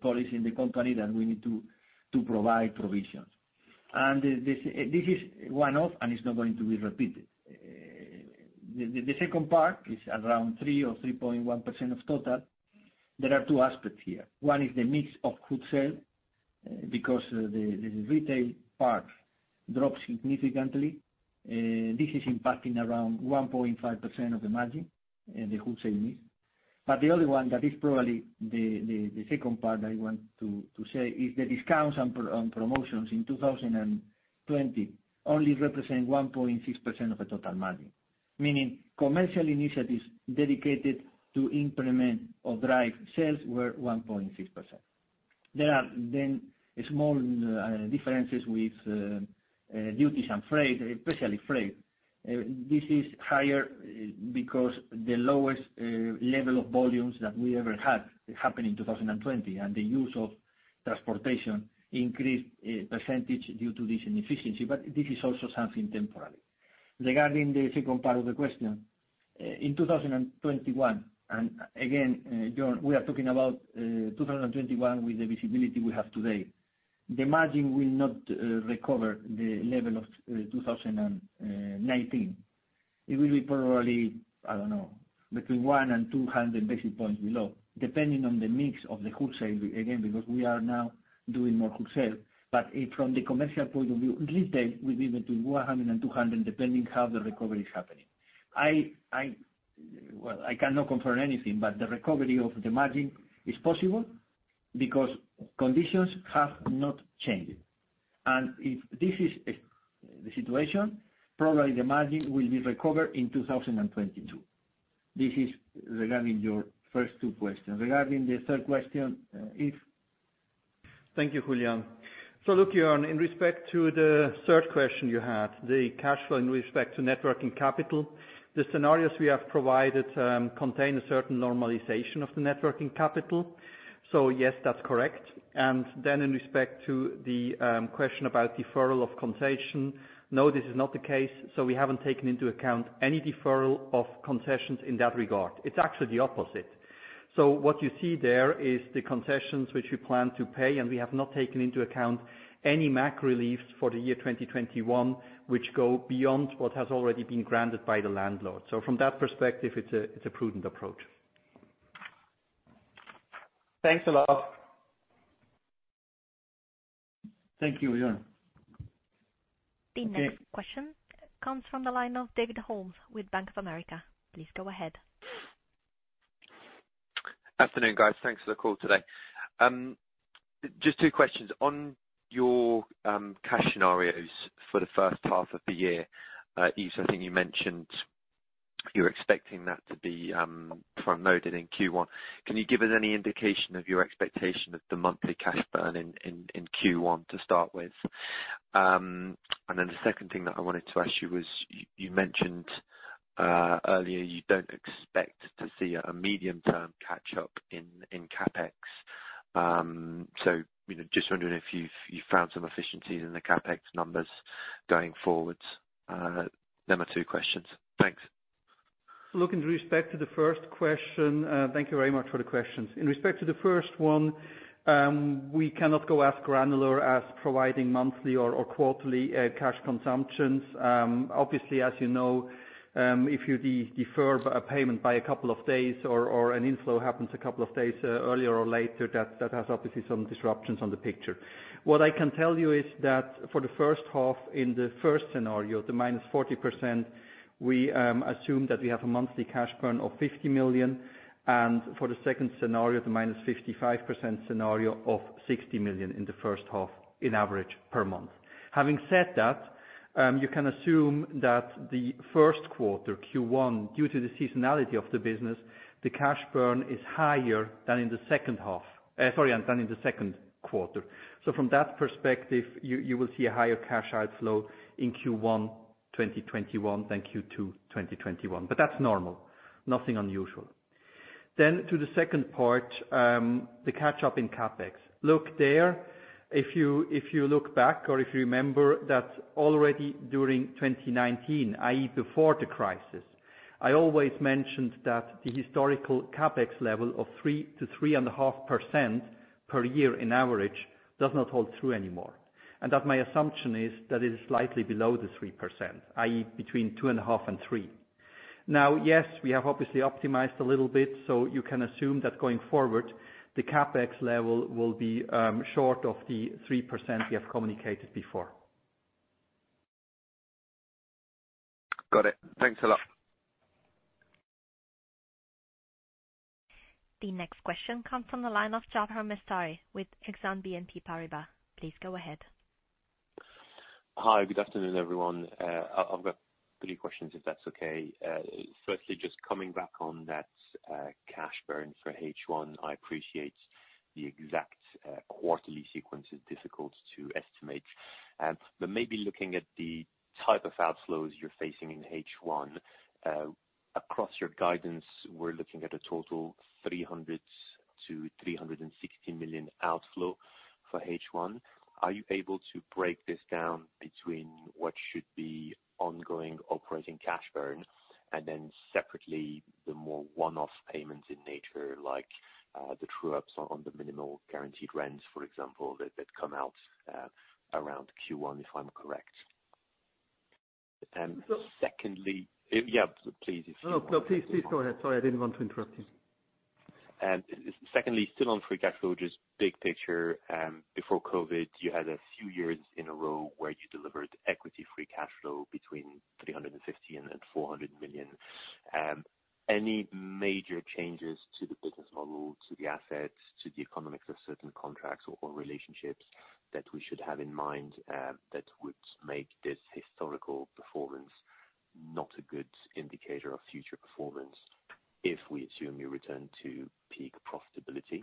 policy in the company that we need to provide provisions. This is one-off, and it's not going to be repeated. The second part is around 3% or 3.1% of total. There are two aspects here. One is the mix of wholesale, because the retail part drops significantly. This is impacting around 1.5% of the margin in the wholesale mix. The only one that is probably the second part I want to say is the discounts and promotions in 2020 only represent 1.6% of the total margin. Meaning commercial initiatives dedicated to implement or drive sales were 1.6%. There are small differences with duties and freight, especially freight. This is higher because the lowest level of volumes that we ever had happened in 2020, and the use of transportation increased percentage due to this inefficiency. This is also something temporary. Regarding the second part of the question. In 2021, and again, Joern, we are talking about 2021 with the visibility we have today. The margin will not recover the level of 2019. It will be probably, I don't know, between 100 basis points and 200 basis points below, depending on the mix of the wholesale, again, because we are now doing more wholesale. From the commercial point of view, at least that will be between 100 basis points and 200 basis points, depending how the recovery is happening. I cannot confirm anything, but the recovery of the margin is possible because conditions have not changed. If this is the situation, probably the margin will be recovered in 2022. This is regarding your first two questions. Regarding the third question, Yves. Thank you, Julián. Look, Joern, in respect to the third question you had, the cash flow in respect to net working capital. The scenarios we have provided contain a certain normalization of the net working capital. Yes, that's correct. In respect to the question about deferral of concession, no, this is not the case. We haven't taken into account any deferral of concessions in that regard. It's actually the opposite. What you see there is the concessions which we plan to pay, and we have not taken into account any MAG reliefs for the year 2021, which go beyond what has already been granted by the landlord. From that perspective, it's a prudent approach. Thanks a lot. Thank you, Joern. The next question comes from the line of David Holmes with Bank of America. Please go ahead. Afternoon, guys. Thanks for the call today. Just two questions. On your cash scenarios for the first half of the year. Yves, I think you mentioned you're expecting that to be front-loaded in Q1. Can you give us any indication of your expectation of the monthly cash burn in Q1 to start with? The second thing that I wanted to ask you was, you mentioned earlier you don't expect to see a medium-term catch-up in CapEx. Just wondering if you've found some efficiencies in the CapEx numbers going forward. Them are two questions. Thanks. Look, in respect to the first question. Thank you very much for the questions. In respect to the first one, we cannot go as granular as providing monthly or quarterly cash consumptions. Obviously, as you know, if you defer a payment by a couple of days or an inflow happens a couple of days earlier or later, that has obviously some disruptions on the picture. What I can tell you is that for the first half, in the first scenario, the -40%, we assume that we have a monthly cash burn of 50 million, and for the second scenario, the -55% scenario, of 60 million in the first half in average per month. Having said that, you can assume that the first quarter, Q1, due to the seasonality of the business, the cash burn is higher than in the second quarter. From that perspective, you will see a higher cash outflow in Q1 2021 than Q2 2021. That's normal, nothing unusual. To the second part, the catch-up in CapEx. Look there, if you look back or if you remember that already during 2019, i.e., before the crisis, I always mentioned that the historical CapEx level of 3%-3.5% per year in average does not hold true anymore, and that my assumption is that it is slightly below the 3%, i.e., between 2.5% and 3%. Yes, we have obviously optimized a little bit. You can assume that going forward, the CapEx level will be short of the 3% we have communicated before. Got it. Thanks a lot. The next question comes from the line of Jaafar Mestari with Exane BNP Paribas. Please go ahead. Hi, good afternoon, everyone. I've got three questions, if that's okay. Firstly, just coming back on that cash burn for H1. I appreciate the exact quarterly sequence is difficult to estimate. Maybe looking at the type of outflows you're facing in H1. Across your guidance, we're looking at a total 300 million-360 million outflow for H1. Are you able to break this down between what should be ongoing operating cash burn, and then separately, the more one-off payments in nature like the true-ups on the minimal guaranteed rents, for example, that come out around Q1, if I'm correct? Yeah, please. No, please, go ahead. Sorry, I didn't want to interrupt you. Secondly, still on free cash flow, just big picture. Before COVID-19, you had a few years in a row where you delivered equity free cash flow between 350 million and 400 million. Any major changes to the business model, to the assets, to the economics of certain contracts or relationships that we should have in mind, that would make this historical performance not a good indicator of future performance if we assume you return to peak profitability?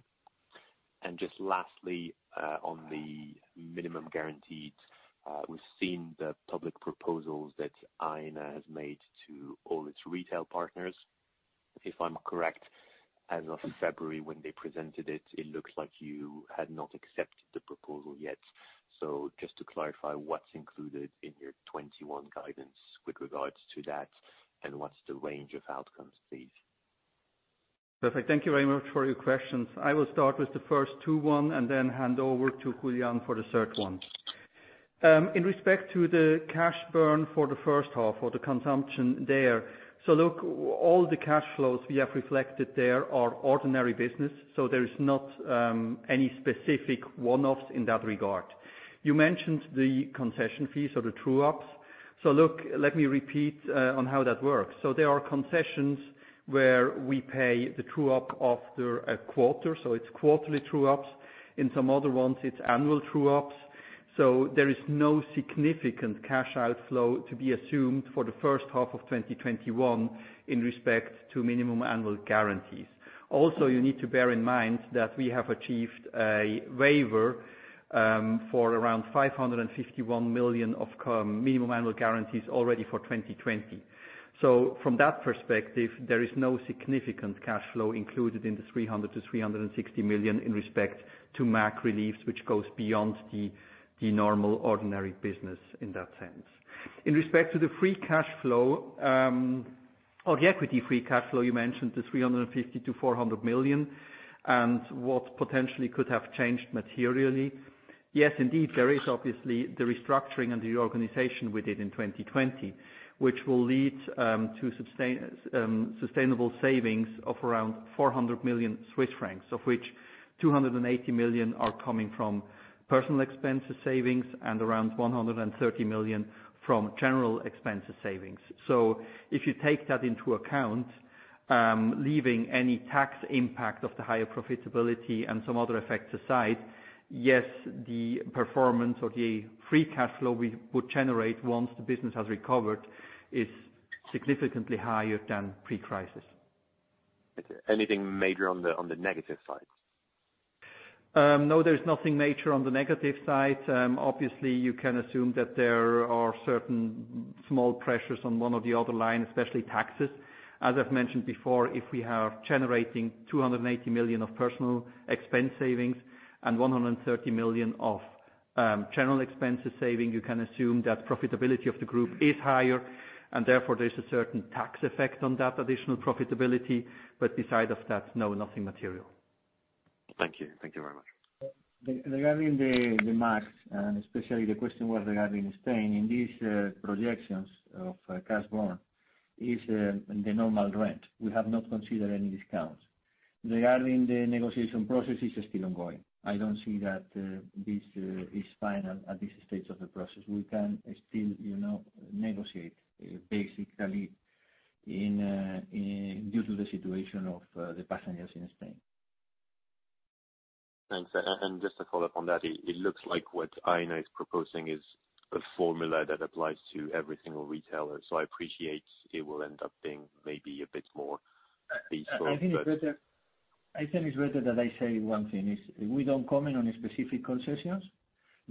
Just lastly, on the minimum guarantees, we've seen the public proposals that AENA has made to all its retail partners. If I'm correct, as of February when they presented it looks like you had not accepted the proposal yet. Just to clarify, what's included in your 2021 guidance with regards to that, and what's the range of outcomes, please? Perfect. Thank you very much for your questions. I will start with the first two and then hand over to Julián for the third one. Look, all the cash flows we have reflected there are ordinary business, so there is not any specific one-offs in that regard. You mentioned the concession fees or the true-ups. Look, let me repeat on how that works. There are concessions where we pay the true up after a quarter, so it's quarterly true-ups. In some other ones, it's annual true-ups. There is no significant cash outflow to be assumed for the first half of 2021 in respect to Minimum Annual Guarantees. You need to bear in mind that we have achieved a waiver for around 551 million of Minimum Annual Guarantees already for 2020. From that perspective, there is no significant cash flow included in the 300 million-360 million in respect to MAG reliefs, which goes beyond the normal ordinary business in that sense. In respect to the free cash flow, or the equity free cash flow, you mentioned the 350 million-400 million, and what potentially could have changed materially. Yes, indeed, there is obviously the restructuring and reorganization we did in 2020, which will lead to sustainable savings of around 400 million Swiss francs, of which 280 million are coming from personal expenses savings and around 130 million from general expenses savings. If you take that into account, leaving any tax impact of the higher profitability and some other effects aside, yes, the performance of the free cash flow we would generate once the business has recovered is significantly higher than pre-crisis. Anything major on the negative side? No, there's nothing major on the negative side. Obviously, you can assume that there are certain small pressures on one or the other line, especially taxes. As I've mentioned before, if we are generating 280 million of personal expense savings and 130 million of general expenses saving, you can assume that profitability of the group is higher, and therefore there's a certain tax effect on that additional profitability. But beside of that, no, nothing material. Thank you. Thank you very much. Regarding the MAG, and especially the question was regarding Spain, in these projections of cash burn is the normal rent. We have not considered any discounts. Regarding the negotiation process, it's still ongoing. I don't see that this is final at this stage of the process. We can still negotiate basically due to the situation of the passengers in Spain. Thanks. Just to follow up on that, it looks like what AENA is proposing is a formula that applies to every single retailer. I think it is better that I say one thing. We don't comment on specific concessions.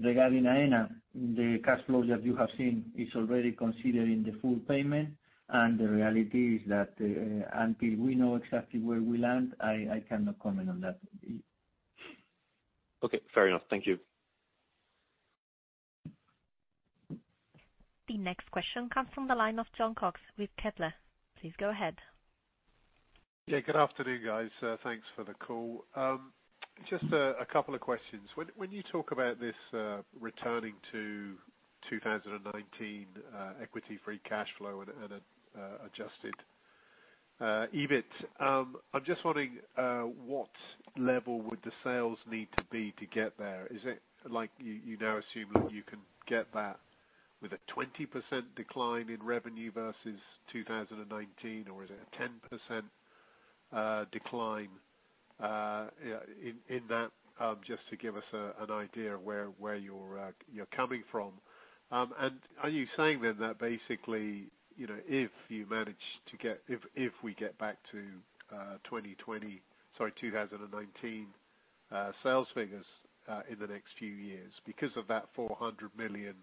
Regarding AENA, the cash flows that you have seen is already considering the full payment, the reality is that until we know exactly where we land, I cannot comment on that. Okay. Fair enough. Thank you. The next question comes from the line of Jon Cox with Kepler. Please go ahead. Good afternoon, guys. Thanks for the call. Just a couple of questions. When you talk about this returning to 2019 equity free cash flow and adjusted EBIT. I'm just wondering, what level would the sales need to be to get there? Is it like you now assume that you can get that with a 20% decline in revenue versus 2019, or is it a 10% decline? Just to give us an idea of where you're coming from. Are you saying then that basically, if we get back to 2019 sales figures in the next few years because of that 400 million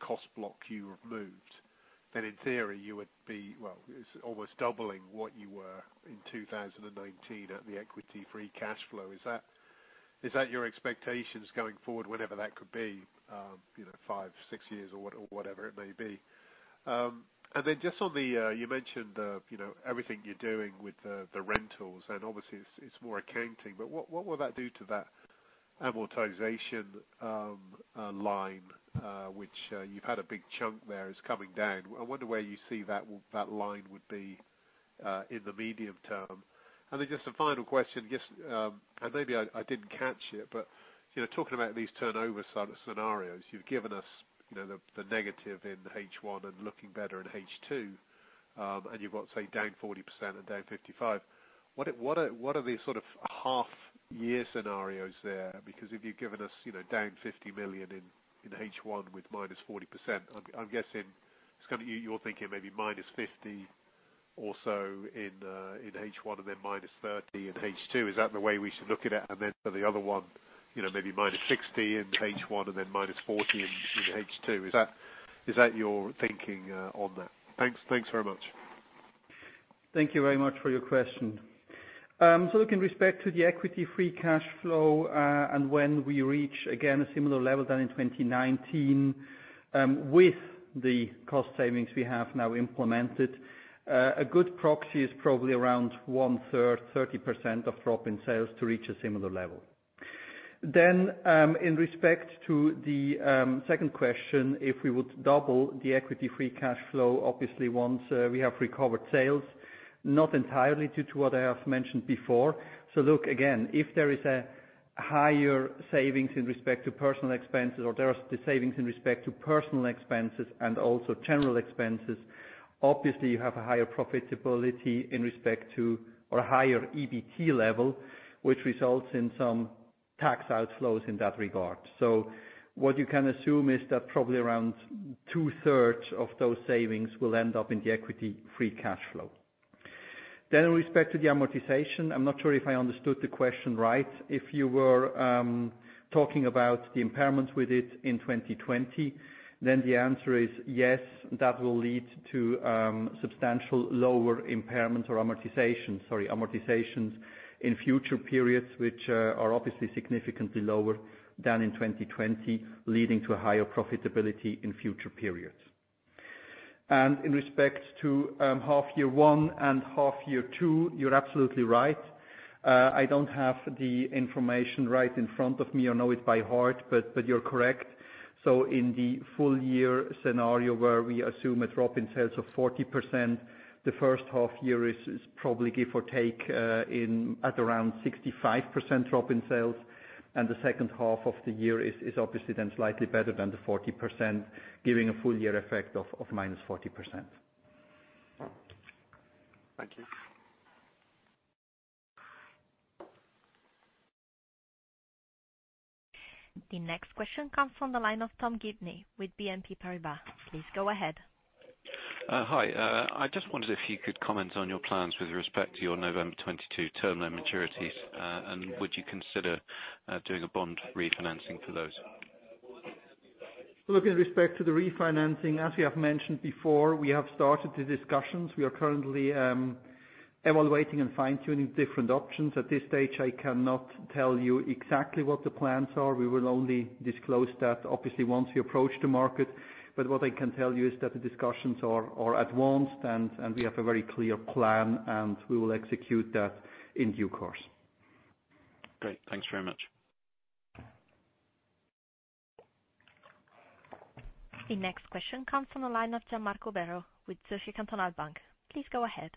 cost block you removed, then in theory you would be, well, it's almost doubling what you were in 2019 at the equity free cash flow. Is that your expectations going forward, whenever that could be, five, six years or whatever it may be? Just on the, you mentioned everything you're doing with the rentals and obviously it's more accounting, but what will that do to that amortization line, which you've had a big chunk there, is coming down. I wonder where you see that line would be, in the medium term. Just a final question. Just, and maybe I didn't catch it, but talking about these turnover scenarios you've given us the negative in H1 and looking better in H2. You've got, say, down 40% and down 55%. What are the sort of half year scenarios there? If you've given us down 50 million in H1 with -40%, I'm guessing it's kind of you're thinking maybe -50% or so in H1 and then -30% in H2. Is that the way we should look at it? For the other one, maybe 60% H1 and then -40% in H2. Is that your thinking on that? Thanks very much. Thank you very much for your question. Looking respect to the equity free cash flow, when we reach again a similar level than in 2019, with the cost savings we have now implemented, a good proxy is probably around one third, 30% of drop in sales to reach a similar level. In respect to the second question, if we would double the equity free cash flow. Obviously once we have recovered sales, not entirely due to what I have mentioned before. Look again, if there is a higher savings in respect to personal expenses, or there are the savings in respect to personal expenses and also general expenses, obviously you have a higher profitability in respect to, or a higher EBT level, which results in some tax outflows in that regard. What you can assume is that probably around 2/3 of those savings will end up in the equity free cash flow. In respect to the amortization, I'm not sure if I understood the question right. If you were talking about the impairments with it in 2020, then the answer is yes, that will lead to substantial lower impairment or amortization in future periods, which are obviously significantly lower than in 2020, leading to a higher profitability in future periods. In respect to half year one and half year two, you're absolutely right. I don't have the information right in front of me. I know it by heart, but you're correct. In the full year scenario where we assume a drop in sales of 40%, the first half year is probably give or take at around 65% drop in sales, and the second half of the year is obviously then slightly better than the 40%, giving a full year effect of -40%. Thank you. The next question comes from the line of Tom Gibney with BNP Paribas. Please go ahead. Hi. I just wondered if you could comment on your plans with respect to your November 2022 term loan maturities. Would you consider doing a bond refinancing for those? Look, in respect to the refinancing, as we have mentioned before, we have started the discussions. We are currently evaluating and fine-tuning different options. At this stage, I cannot tell you exactly what the plans are. We will only disclose that obviously once we approach the market. What I can tell you is that the discussions are advanced, and we have a very clear plan, and we will execute that in due course. Great. Thanks very much. The next question comes from the line of Gian Marco Werro with Zürcher Kantonalbank. Please go ahead.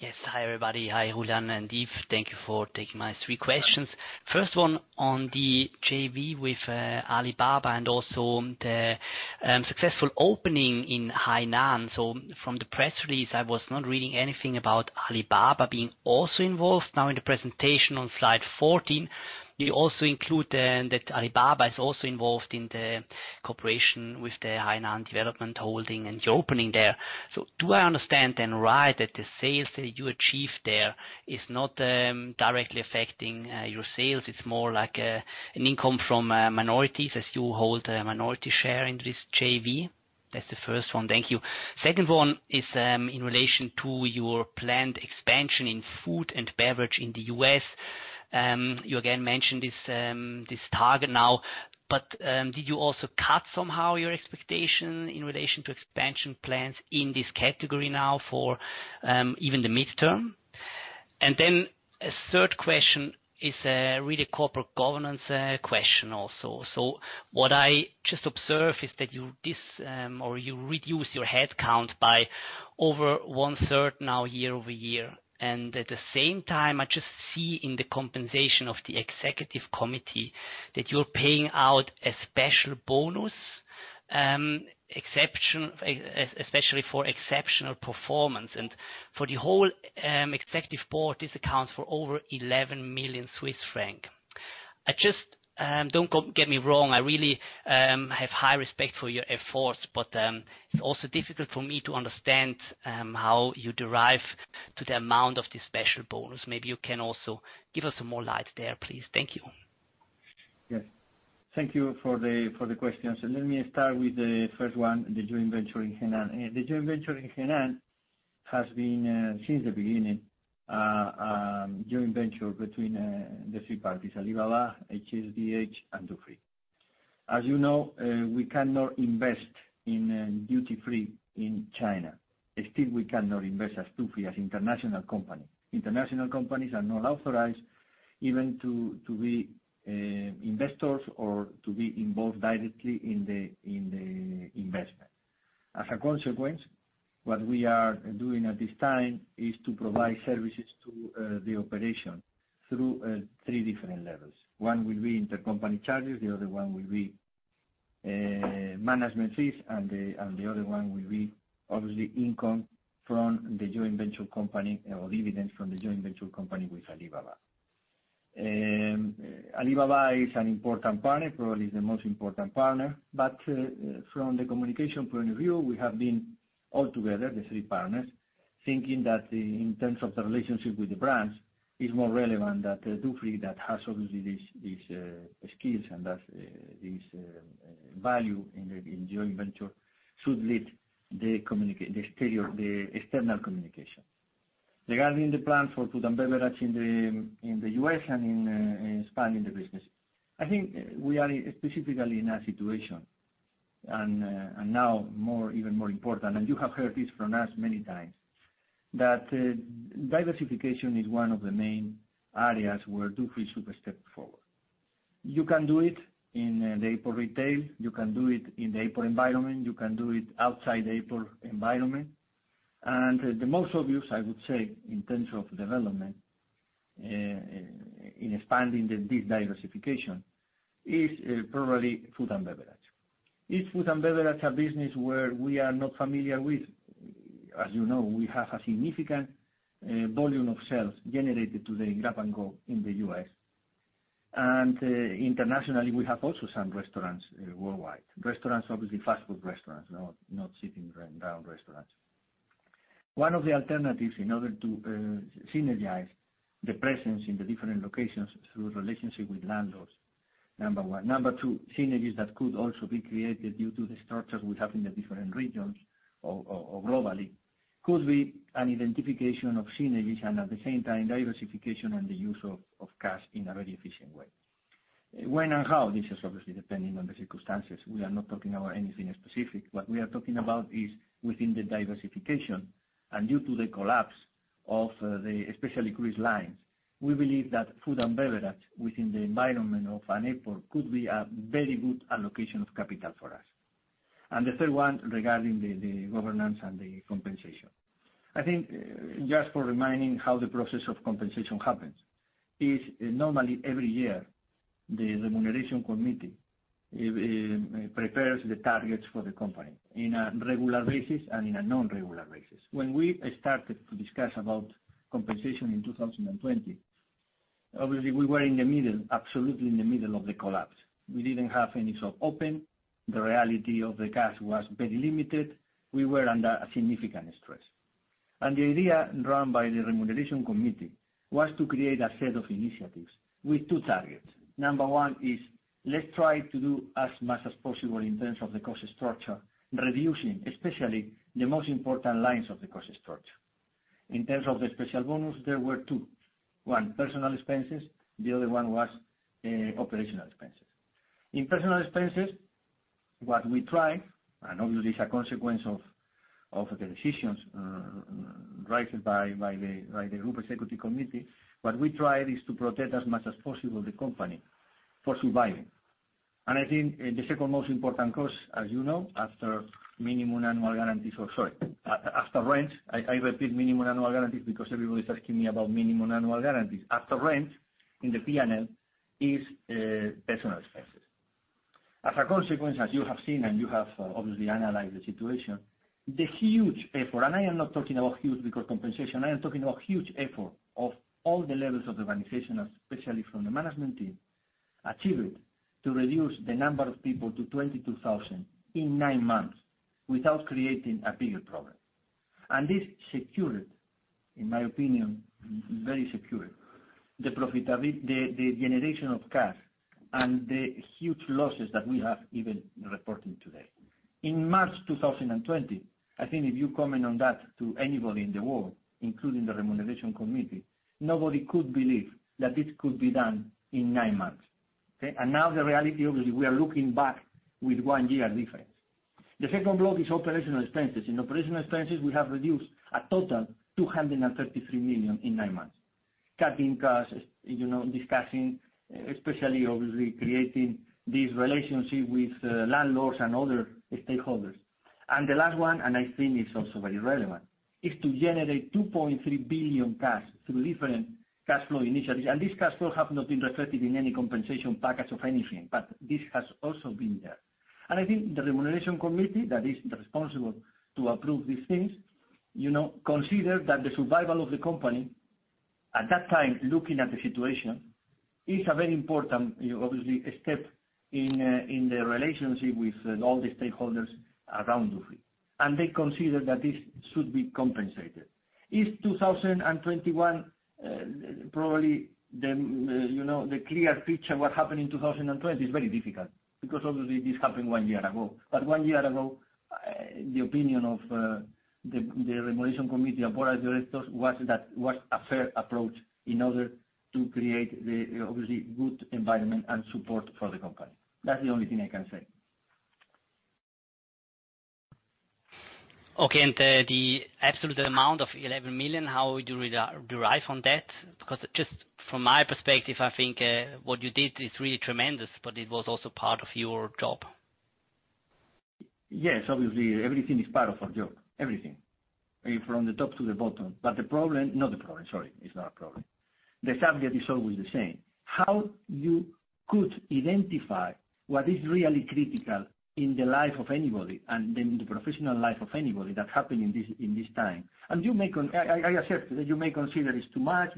Yes. Hi, everybody. Hi, Julián and Yves. Thank you for taking my three questions. First one on the JV with Alibaba and also the successful opening in Hainan. From the press release, I was not reading anything about Alibaba being also involved. Now in the presentation on slide 14, you also include that Alibaba is also involved in the cooperation with the Hainan Development Holdings and the opening there. Do I understand then right that the sales that you achieve there is not directly affecting your sales, it's more like an income from minorities as you hold a minority share in this JV? That's the first one. Thank you. Second one is in relation to your planned expansion in Food & Beverage in the U.S. You again mentioned this target now. Did you also cut somehow your expectation in relation to expansion plans in this category now for even the midterm? A third question is really corporate governance question also. What I just observe is that you reduce your headcount by over 1/3 now year-over-year. At the same time, I just see in the compensation of the Executive Committee that you're paying out a special bonus especially for exceptional performance. For the whole Executive Board, this accounts for over 11 million Swiss francs. Don't get me wrong, I really have high respect for your efforts, but it's also difficult for me to understand how you derive to the amount of the special bonus. Maybe you can also give us some more light there, please. Thank you. Yes. Thank you for the questions. Let me start with the first one, the joint venture in Hainan. The joint venture in Hainan has been, since the beginning, a joint venture between the three parties, Alibaba, HDH, and Dufry. As you know, we cannot invest in duty-free in China. Still we cannot invest as Dufry, as international company. International companies are not authorized even to be investors or to be involved directly in the investment. As a consequence, what we are doing at this time is to provide services to the operation through three different levels. One will be intercompany charges, the other one will be management fees, and the other one will be, obviously, income from the joint venture company or dividends from the joint venture company with Alibaba. Alibaba is an important partner, probably the most important partner. From the communication point of view, we have been all together, the three partners, thinking that in terms of the relationship with the brands, it's more relevant that Dufry, that has obviously these skills and this value in the joint venture, should lead the external communication. Regarding the plan for Food & Beverage in the U.S. and in expanding the business, I think we are specifically in a situation, and now even more important, and you have heard this from us many times, that diversification is one of the main areas where Dufry should step forward. You can do it in the airport retail, you can do it in the airport environment, you can do it outside airport environment. The most obvious, I would say, in terms of development in expanding this diversification, is probably Food & Beverage. Is Food & Beverage a business where we are not familiar with? As you know, we have a significant volume of sales generated today in grab-and-go in the U.S. Internationally, we have also some restaurants worldwide. Restaurants, obviously fast food restaurants, not sit-down restaurants. One of the alternatives in order to synergize the presence in the different locations through relationship with landlords, number one. Number two, synergies that could also be created due to the structures we have in the different regions or globally, could be an identification of synergies and at the same time diversification and the use of cash in a very efficient way. When and how, this is obviously depending on the circumstances. We are not talking about anything specific. What we are talking about is within the diversification. Due to the collapse of the, especially cruise lines, we believe that Food & Beverage within the environment of an airport could be a very good allocation of capital for us. The third one, regarding the governance and the compensation. I think, just for reminding how the process of compensation happens, is normally every year, the remuneration committee prepares the targets for the company in a regular basis and in a non-regular basis. When we started to discuss about compensation in 2020, obviously we were absolutely in the middle of the collapse. We didn't have any shop open. The reality of the cash was very limited. We were under a significant stress. The idea run by the remuneration committee was to create a set of initiatives with two targets. Number one is, let's try to do as much as possible in terms of the cost structure, reducing especially the most important lines of the cost structure. In terms of the special bonus, there were two. One, personal expenses, the other one was operational expenses. In personal expenses, what we tried, and obviously it's a consequence of the decisions rises by the Group Executive Committee, what we tried is to protect as much as possible the company for surviving. I think the second most important cost, as you know, after Minimum Annual Guarantees, or sorry, after rent, I repeat Minimum Annual Guarantees because everybody's asking me about Minimum Annual Guarantees. After rent in the P&L is personal expenses. As a consequence, as you have seen and you have obviously analyzed the situation, the huge effort, and I am not talking about huge because compensation, I am talking about huge effort of all the levels of the organization, especially from the management team, achieved to reduce the number of people to 22,000 in nine months without creating a bigger problem. This secured, in my opinion, very secured the generation of cash and the huge losses that we have even reported today. In March 2020, I think if you comment on that to anybody in the world, including the remuneration committee, nobody could believe that this could be done in nine months, okay? Now the reality, obviously, we are looking back with one year difference. The second block is operational expenses. In operational expenses, we have reduced a total 233 million in nine months, cutting costs, discussing, especially obviously creating these relationships with landlords and other stakeholders. The last one, and I think it's also very relevant, is to generate 2.3 billion cash through different cash flow initiatives. This cash flow have not been reflected in any compensation package of anything, but this has also been there. I think the remuneration committee that is responsible to approve these things, consider that the survival of the company, at that time, looking at the situation, is a very important, obviously, step in the relationship with all the stakeholders around Dufry, and they consider that this should be compensated. Is 2021 probably the clear picture what happened in 2020 is very difficult, because obviously this happened one year ago. One year ago, the opinion of the remuneration committee, the Board of Directors, was a fair approach in order to create the, obviously, good environment and support for the company. That's the only thing I can say. Okay. The absolute amount of 11 million, how would you derive on that? Because just from my perspective, I think, what you did is really tremendous, but it was also part of your job. Yes. Obviously, everything is part of our job. Everything. From the top to the bottom. The problem, not the problem, sorry, it's not a problem. The subject is always the same. How you could identify what is really critical in the life of anybody, and in the professional life of anybody, that happened in this time. I accept that you may consider it's too much.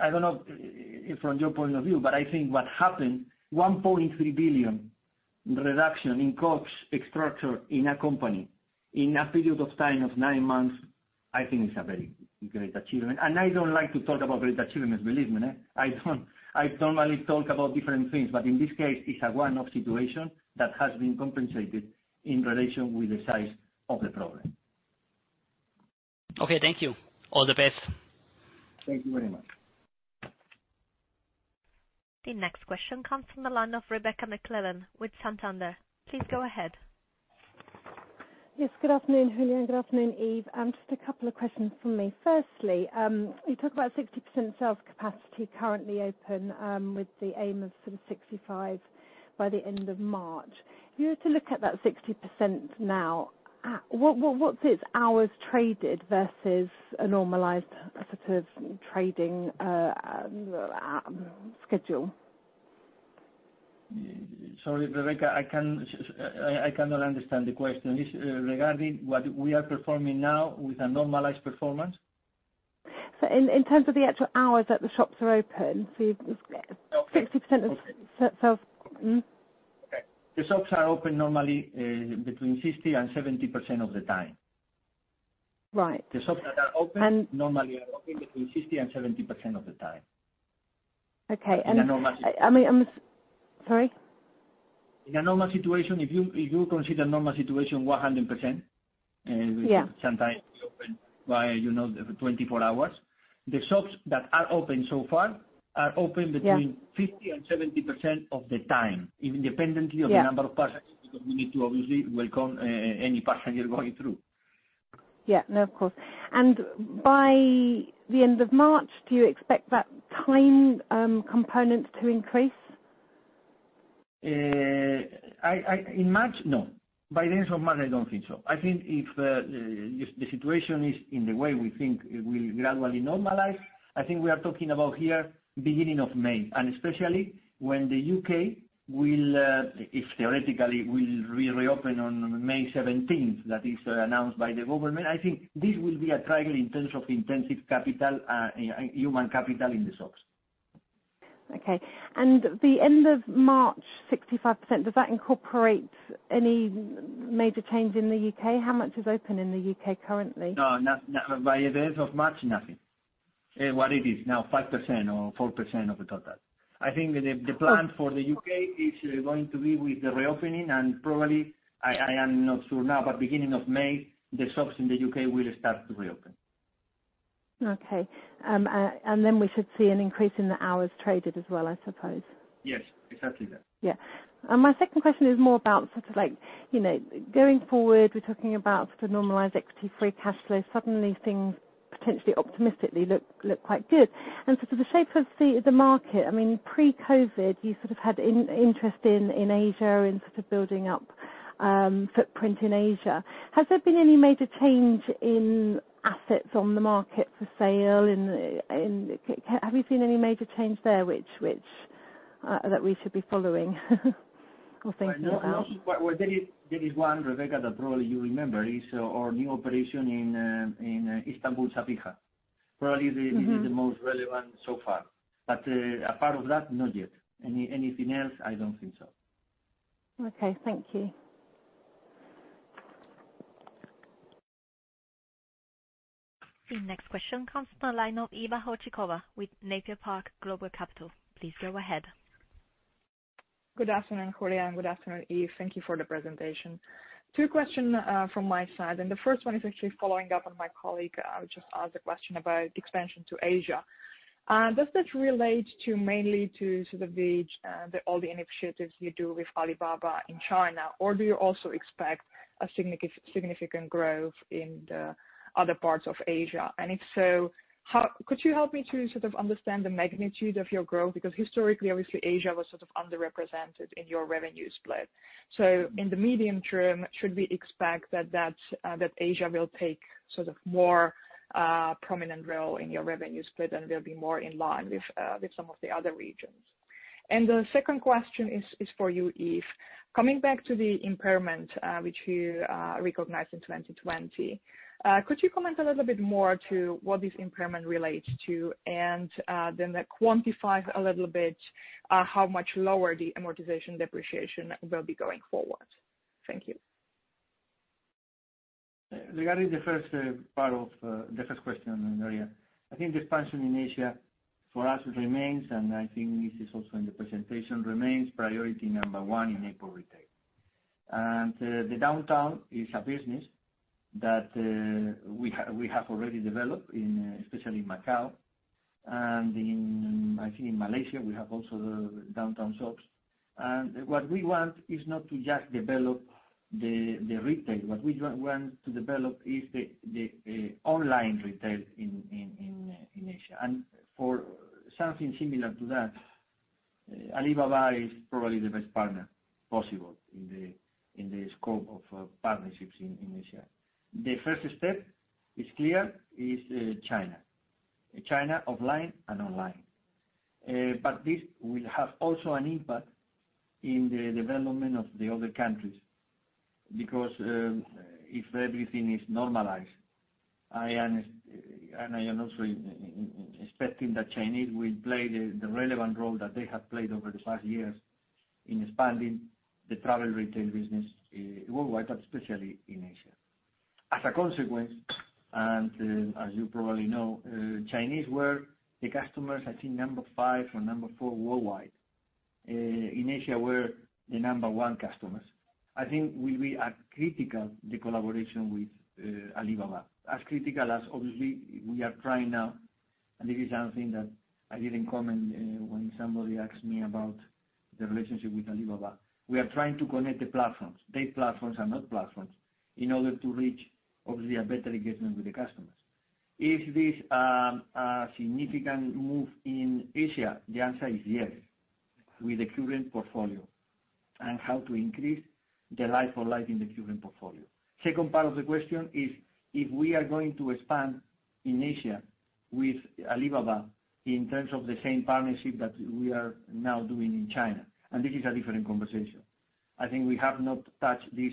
I don't know from your point of view, but I think what happened, 1.3 billion reduction in costs structure in a company in a period of time of nine months, I think is a very great achievement. I don't like to talk about great achievements, believe me. I normally talk about different things. In this case, it's a one-off situation that has been compensated in relation with the size of the problem. Okay. Thank you. All the best. Thank you very much. The next question comes from the line of Rebecca McClellan with Santander. Please go ahead. Yes, good afternoon, Julián, and good afternoon, Yves. Just a couple of questions from me. Firstly, you talk about 60% sales capacity currently open, with the aim of some 65% by the end of March. If you were to look at that 60% now, what's its hours traded versus a normalized trading schedule? Sorry, Rebecca. I cannot understand the question. Is regarding what we are performing now with a normalized performance? In terms of the actual hours that the shops are open. Okay. 60% of sales. Mm-hmm. Okay. The shops are open normally between 60% and 70% of the time. Right. The shops that are open normally are open between 60% and 70% of the time. Okay. In a normal- Sorry? In a normal situation, if you consider normal situation 100%, which sometimes we open for 24 hours. The shops that are open so far are open between 50% and 70% of the time, independently of the number of passengers, because we need to obviously welcome any passenger going through. Yeah. No, of course. By the end of March, do you expect that time component to increase? In March? No. By the end of March, I don't think so. I think if the situation is in the way we think it will gradually normalize, I think we are talking about here beginning of May, and especially when the U.K., if theoretically will reopen on May 17th, that is announced by the government. I think this will be a trial in terms of intensive human capital in the shops. Okay. the end of March, 65%, does that incorporate any major change in the U.K.? How much is open in the U.K. currently? No, by the end of March, nothing. What it is now, 5% or 4% of the total. I think the plan for the U.K. is going to be with the reopening, probably, I am not sure now, but beginning of May, the shops in the U.K. will start to reopen. Okay. Then we should see an increase in the hours traded as well, I suppose. Yes, exactly that. Yeah. My second question is more about going forward, we're talking about normalized equity free cash flow. Suddenly things potentially optimistically look quite good. The shape of the market, pre-COVID, you had interest in Asia, in building up footprint in Asia. Has there been any major change in assets on the market for sale? Have you seen any major change there that we should be following or thinking about? There is one, Rebecca, that probably you remember, is our new operation in Istanbul, Sabiha. Probably this is the most relevant so far. Apart of that, not yet. Anything else, I don't think so. Okay. Thank you. The next question comes from the line of Iva Horcicova with Napier Park Global Capital. Please go ahead. Good afternoon, Julián, and good afternoon, Yves. Thank you for the presentation. Two questions from my side. The first one is actually following up on my colleague who just asked a question about expansion to Asia. Does this relate mainly to all the initiatives you do with Alibaba in China, or do you also expect a significant growth in the other parts of Asia? If so, could you help me to understand the magnitude of your growth? Historically, obviously, Asia was underrepresented in your revenue split. In the medium term, should we expect that Asia will take a more prominent role in your revenue split, and will be more in line with some of the other regions? The second question is for you, Yves. Coming back to the impairment, which you recognized in 2020, could you comment a little bit more to what this impairment relates to? Then quantify a little bit how much lower the amortization depreciation will be going forward. Thank you. Regarding the first part of the first question, Maria. I think the expansion in Asia for us, it remains, and I think this is also in the presentation, remains priority number one in airport retail. The Downtown is a business that we have already developed, especially in Macau, and I think in Malaysia we have also the Downtown shops. What we want is not to just develop the retail. What we want to develop is the online retail in Asia. For something similar to that, Alibaba is probably the best partner possible in the scope of partnerships in Asia. The first step is clear, is China. China offline and online. This will have also an impact in the development of the other countries. If everything is normalized, and I am also expecting that Chinese will play the relevant role that they have played over the past years in expanding the travel retail business worldwide, but especially in Asia. As a consequence, as you probably know, Chinese were the customers, I think number five or number four worldwide. In Asia were the number one customers. I think will be as critical the collaboration with Alibaba. As critical as, obviously, we are trying now, and this is something that I didn't comment when somebody asked me about the relationship with Alibaba. We are trying to connect the platforms, their platforms and our platforms, in order to reach obviously a better engagement with the customers. Is this a significant move in Asia? The answer is yes, with the current portfolio and how to increase the like-for-like in the current portfolio. Second part of the question is, if we are going to expand in Asia with Alibaba in terms of the same partnership that we are now doing in China, this is a different conversation. I think we have not touched this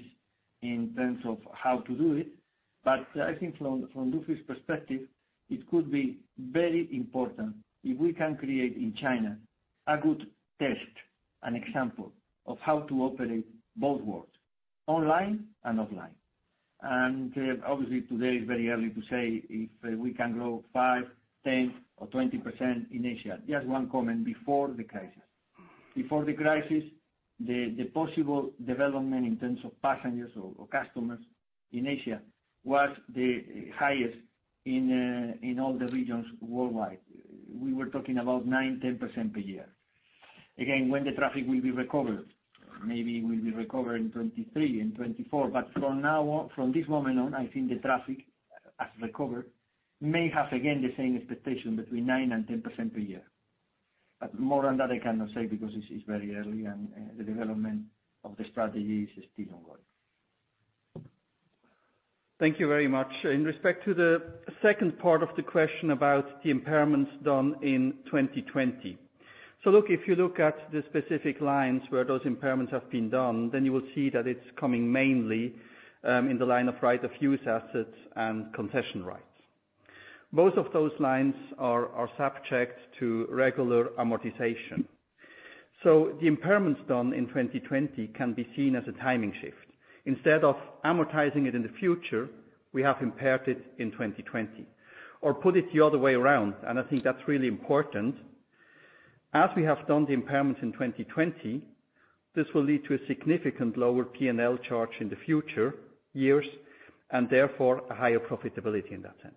in terms of how to do it, but I think from Dufry's perspective, it could be very important if we can create in China a good test, an example of how to operate both worlds, online and offline. Obviously today it's very early to say if we can grow 5%, 10%, or 20% in Asia. Just one comment before the crisis. Before the crisis, the possible development in terms of passengers or customers in Asia was the highest in all the regions worldwide. We were talking about 9%, 10% per year. Again, when the traffic will be recovered, maybe will be recovered in 2023, in 2024. From this moment on, I think the traffic as recovered may have again the same expectation between 9% and 10% per year. More than that I cannot say because it's very early and the development of the strategy is still ongoing. Thank you very much. In respect to the second part of the question about the impairments done in 2020. Look, if you look at the specific lines where those impairments have been done, then you will see that it's coming mainly in the line of Right-of-Use Assets and Concession Rights. Both of those lines are subject to regular amortization. The impairments done in 2020 can be seen as a timing shift. Instead of amortizing it in the future, we have impaired it in 2020. Put it the other way around, and I think that's really important. As we have done the impairments in 2020, this will lead to a significant lower P&L charge in the future years, and therefore a higher profitability in that sense.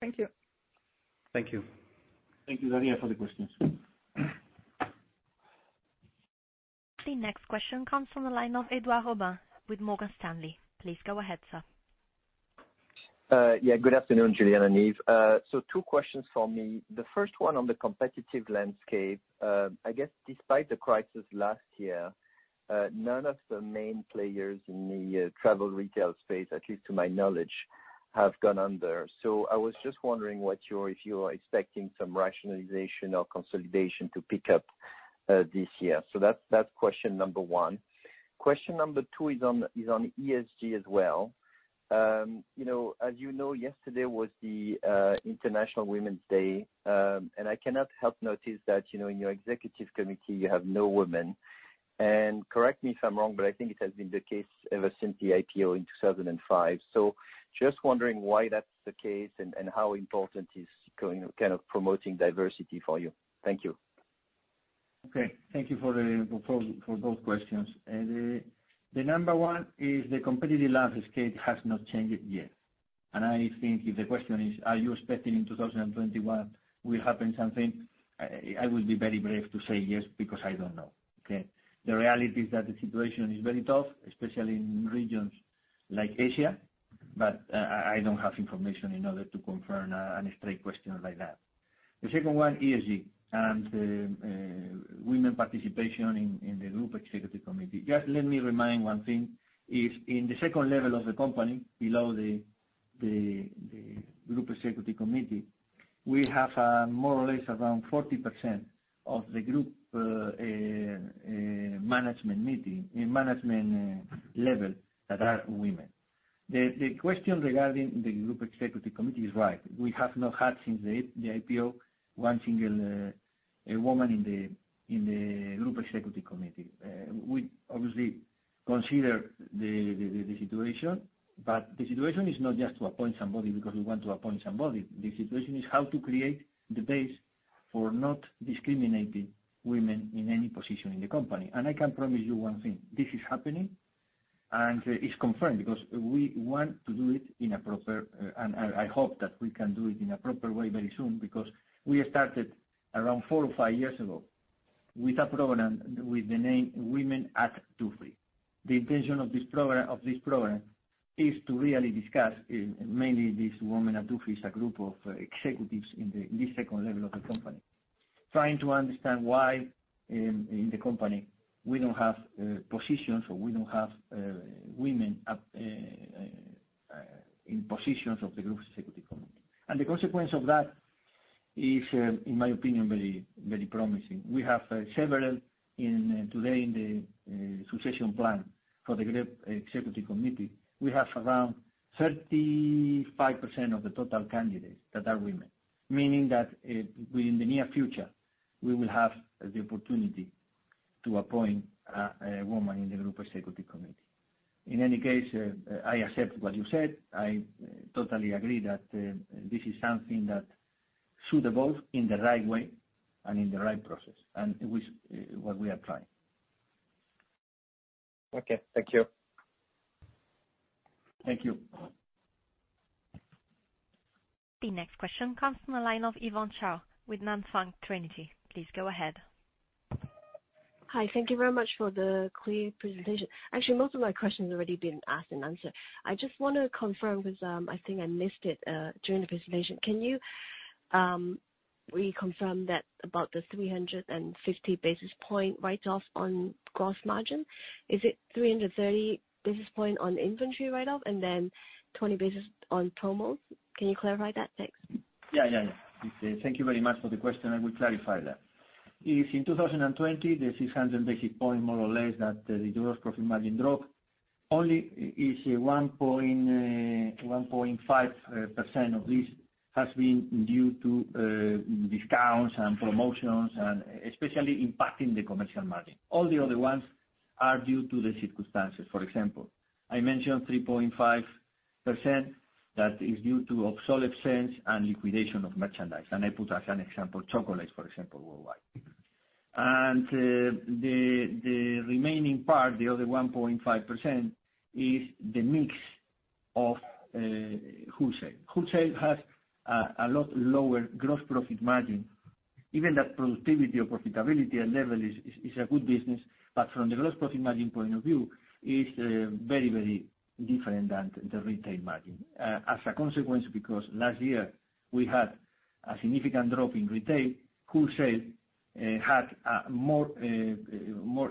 Thank you. Thank you. Thank you, Iva, for the questions. The next question comes from the line of Edouard Aubin with Morgan Stanley. Please go ahead, sir. Good afternoon, Julián and Yves. Two questions for me. The first one on the competitive landscape. I guess despite the crisis last year, none of the main players in the travel retail space, at least to my knowledge, have gone under. I was just wondering if you are expecting some rationalization or consolidation to pick up this year. That's question number one. Question number two is on ESG as well. As you know, yesterday was the International Women's Day, and I cannot help notice that in your Executive Committee you have no women. Correct me if I'm wrong, but I think it has been the case ever since the IPO in 2005. Just wondering why that's the case and how important is promoting diversity for you. Thank you. Okay. Thank you for both questions. The number one is the competitive landscape has not changed yet. I think if the question is, are you expecting in 2021 will happen something? I will be very brave to say yes because I don't know. Okay. The reality is that the situation is very tough, especially in regions like Asia. I don't have information in order to confirm a straight question like that. The second one, ESG and women participation in the Group Executive Committee. Just let me remind one thing, is in the second level of the company, below the Group Executive Committee, we have more or less around 40% of the group management level that are women. The question regarding the Group Executive Committee is right. We have not had since the IPO one single woman in the Group Executive Committee. We obviously consider the situation. The situation is not just to appoint somebody because we want to appoint somebody. The situation is how to create the base for not discriminating women in any position in the company. I can promise you one thing, this is happening, and it's confirmed because we want to do it in a proper way very soon because we started around four or five years ago with a program with the name Women at Dufry. The intention of this program is to really discuss, mainly this Women at Dufry is a group of executives in the [the cycle] level of the company. Trying to understand why in the company we don't have positions, or we don't have women in positions of the Group Executive Committee. The consequence of that is, in my opinion, very promising. We have several today in the succession plan for the Group Executive Committee. We have around 35% of the total candidates that are women, meaning that within the near future, we will have the opportunity to appoint a woman in the Group Executive Committee. In any case, I accept what you said. I totally agree that this is something that should evolve in the right way and in the right process, and it is what we are trying. Okay. Thank you. Thank you. The next question comes from the line of Yvonne Chow with Nan Fung Trinity. Please go ahead. Hi. Thank you very much for the clear presentation. Actually, most of my questions have already been asked and answered. I just want to confirm because I think I missed it during the presentation. Can you reconfirm that about the 350 basis points write-off on gross margin? Is it 330 basis points on inventory write-off and then 20 basis points on promos? Can you clarify that? Thanks. Yeah. Thank you very much for the question, and we clarify that. If in 2020, the 600 basis points more or less that the gross profit margin dropped, only is 1.5% of this has been due to discounts and promotions and especially impacting the commercial margin. All the other ones are due to the circumstances. For example, I mentioned 3.5% that is due to obsolescence and liquidation of merchandise. I put as an example, chocolate, for example, worldwide. The remaining part, the other 1.5%, is the mix of wholesale. Wholesale has a lot lower gross profit margin. Even that productivity or profitability level is a good business, but from the gross profit margin point of view, it's very different than the retail margin. As a consequence, because last year we had a significant drop in retail, wholesale had more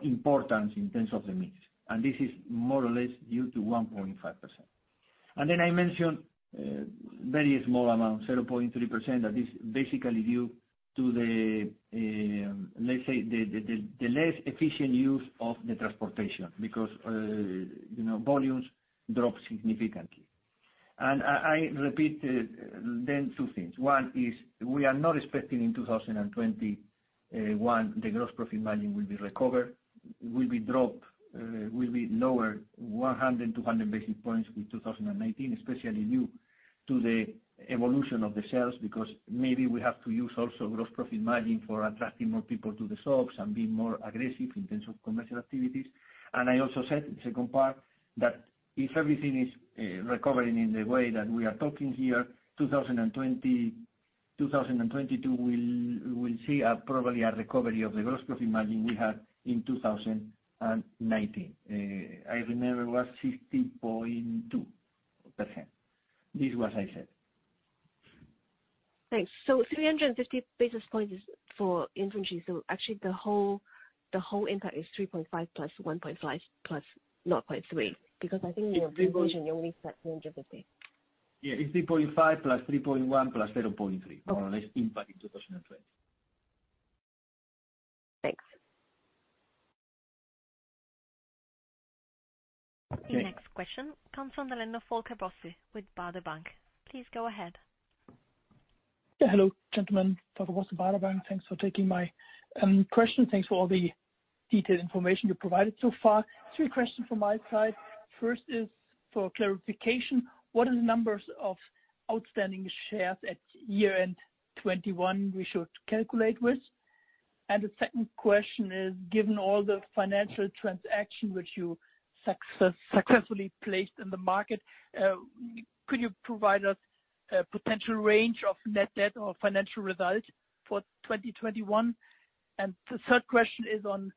importance in terms of the mix. This is more or less due to 1.5%. Then I mentioned very small amount, 0.3%, that is basically due to the, let's say, the less efficient use of the transportation because volumes dropped significantly. I repeat then two things. One is we are not expecting in 2021, the gross profit margin will be recovered, will be dropped, will be lower 100 basis points, 200 basis points with 2019, especially due to the evolution of the sales. Maybe we have to use also gross profit margin for attracting more people to the shops and being more aggressive in terms of commercial activities. I also said the second part, that if everything is recovering in the way that we are talking here, 2022, we'll see probably a recovery of the gross profit margin we had in 2019. I remember it was 60.2%. This is what I said. Thanks. 350 basis points is for inventory. Actually, the whole impact is 3.5% + 1.5% + 0.3%, because I think in your revision, you only said. <audio distortion> Yeah, it's 3.5% + 3.1% + 0.3%. More or less impact in 2020. Thanks. Okay. The next question comes from the line of Volker Bosse with Baader Bank. Please go ahead. Hello, gentlemen. Volker Bosse, Baader Bank. Thanks for taking my question. Thanks for all the detailed information you provided so far. Three questions from my side. First is for clarification. What are the numbers of outstanding shares at year-end 2021 we should calculate with? The second question is, given all the financial transaction which you successfully placed in the market, could you provide us a potential range of net debt or financial results for 2021? The third question is on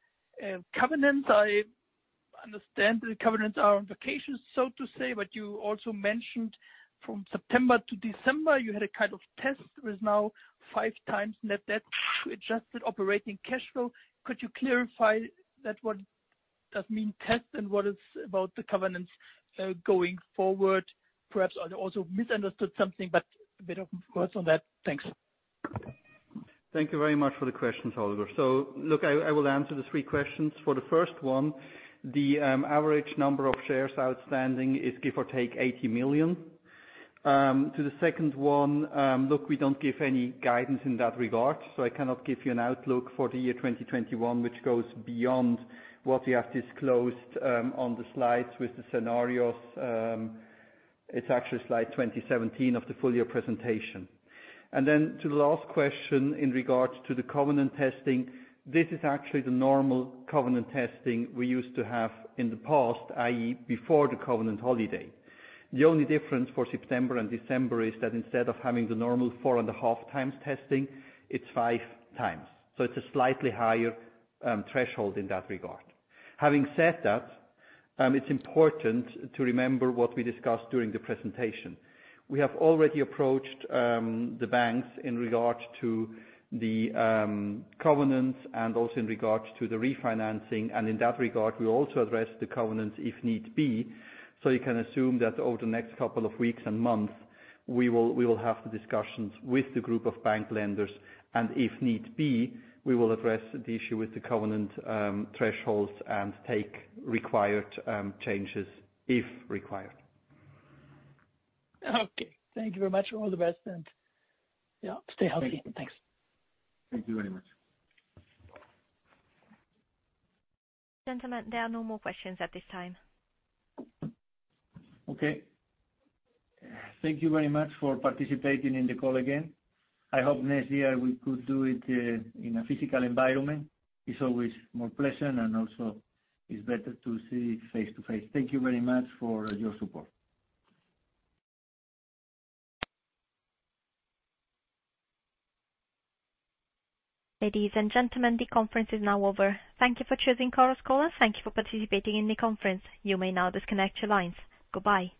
covenants. I understand the covenants are on vacation, so to say. You also mentioned from September to December, you had a kind of test. There is now 5x net debt to adjusted operating cash flow. Could you clarify what does mean test and what is about the covenants going forward? Perhaps I also misunderstood something, a bit of course on that. Thanks. Thank you very much for the questions, Volker. Look, I will answer the three questions. For the first one, the average number of shares outstanding is give or take, 80 million. To the second one, look, we don't give any guidance in that regard. I cannot give you an outlook for the year 2021, which goes beyond what we have disclosed on the slides with the scenarios. It's actually slide 2017 of the full year presentation. To the last question in regards to the covenant testing, this is actually the normal covenant testing we used to have in the past, i.e., before the covenant holiday. The only difference for September and December is that instead of having the normal 4.5x testing, it's 5x. It's a slightly higher threshold in that regard. Having said that, it's important to remember what we discussed during the presentation. We have already approached the banks in regard to the covenants and also in regard to the refinancing. In that regard, we also address the covenants if need be. You can assume that over the next couple of weeks and months, we will have the discussions with the group of bank lenders, and if need be, we will address the issue with the covenant thresholds and take required changes if required. Okay. Thank you very much. All the best, and yeah, stay healthy. Thanks. Thank you very much. Gentlemen, there are no more questions at this time. Okay. Thank you very much for participating in the call again. I hope next year we could do it in a physical environment. It's always more pleasant, and also it's better to see face to face. Thank you very much for your support. Ladies and gentlemen, the conference is now over. Thank you for choosing Chorus Call. Thank you for participating in the conference. You may now disconnect your lines. Goodbye.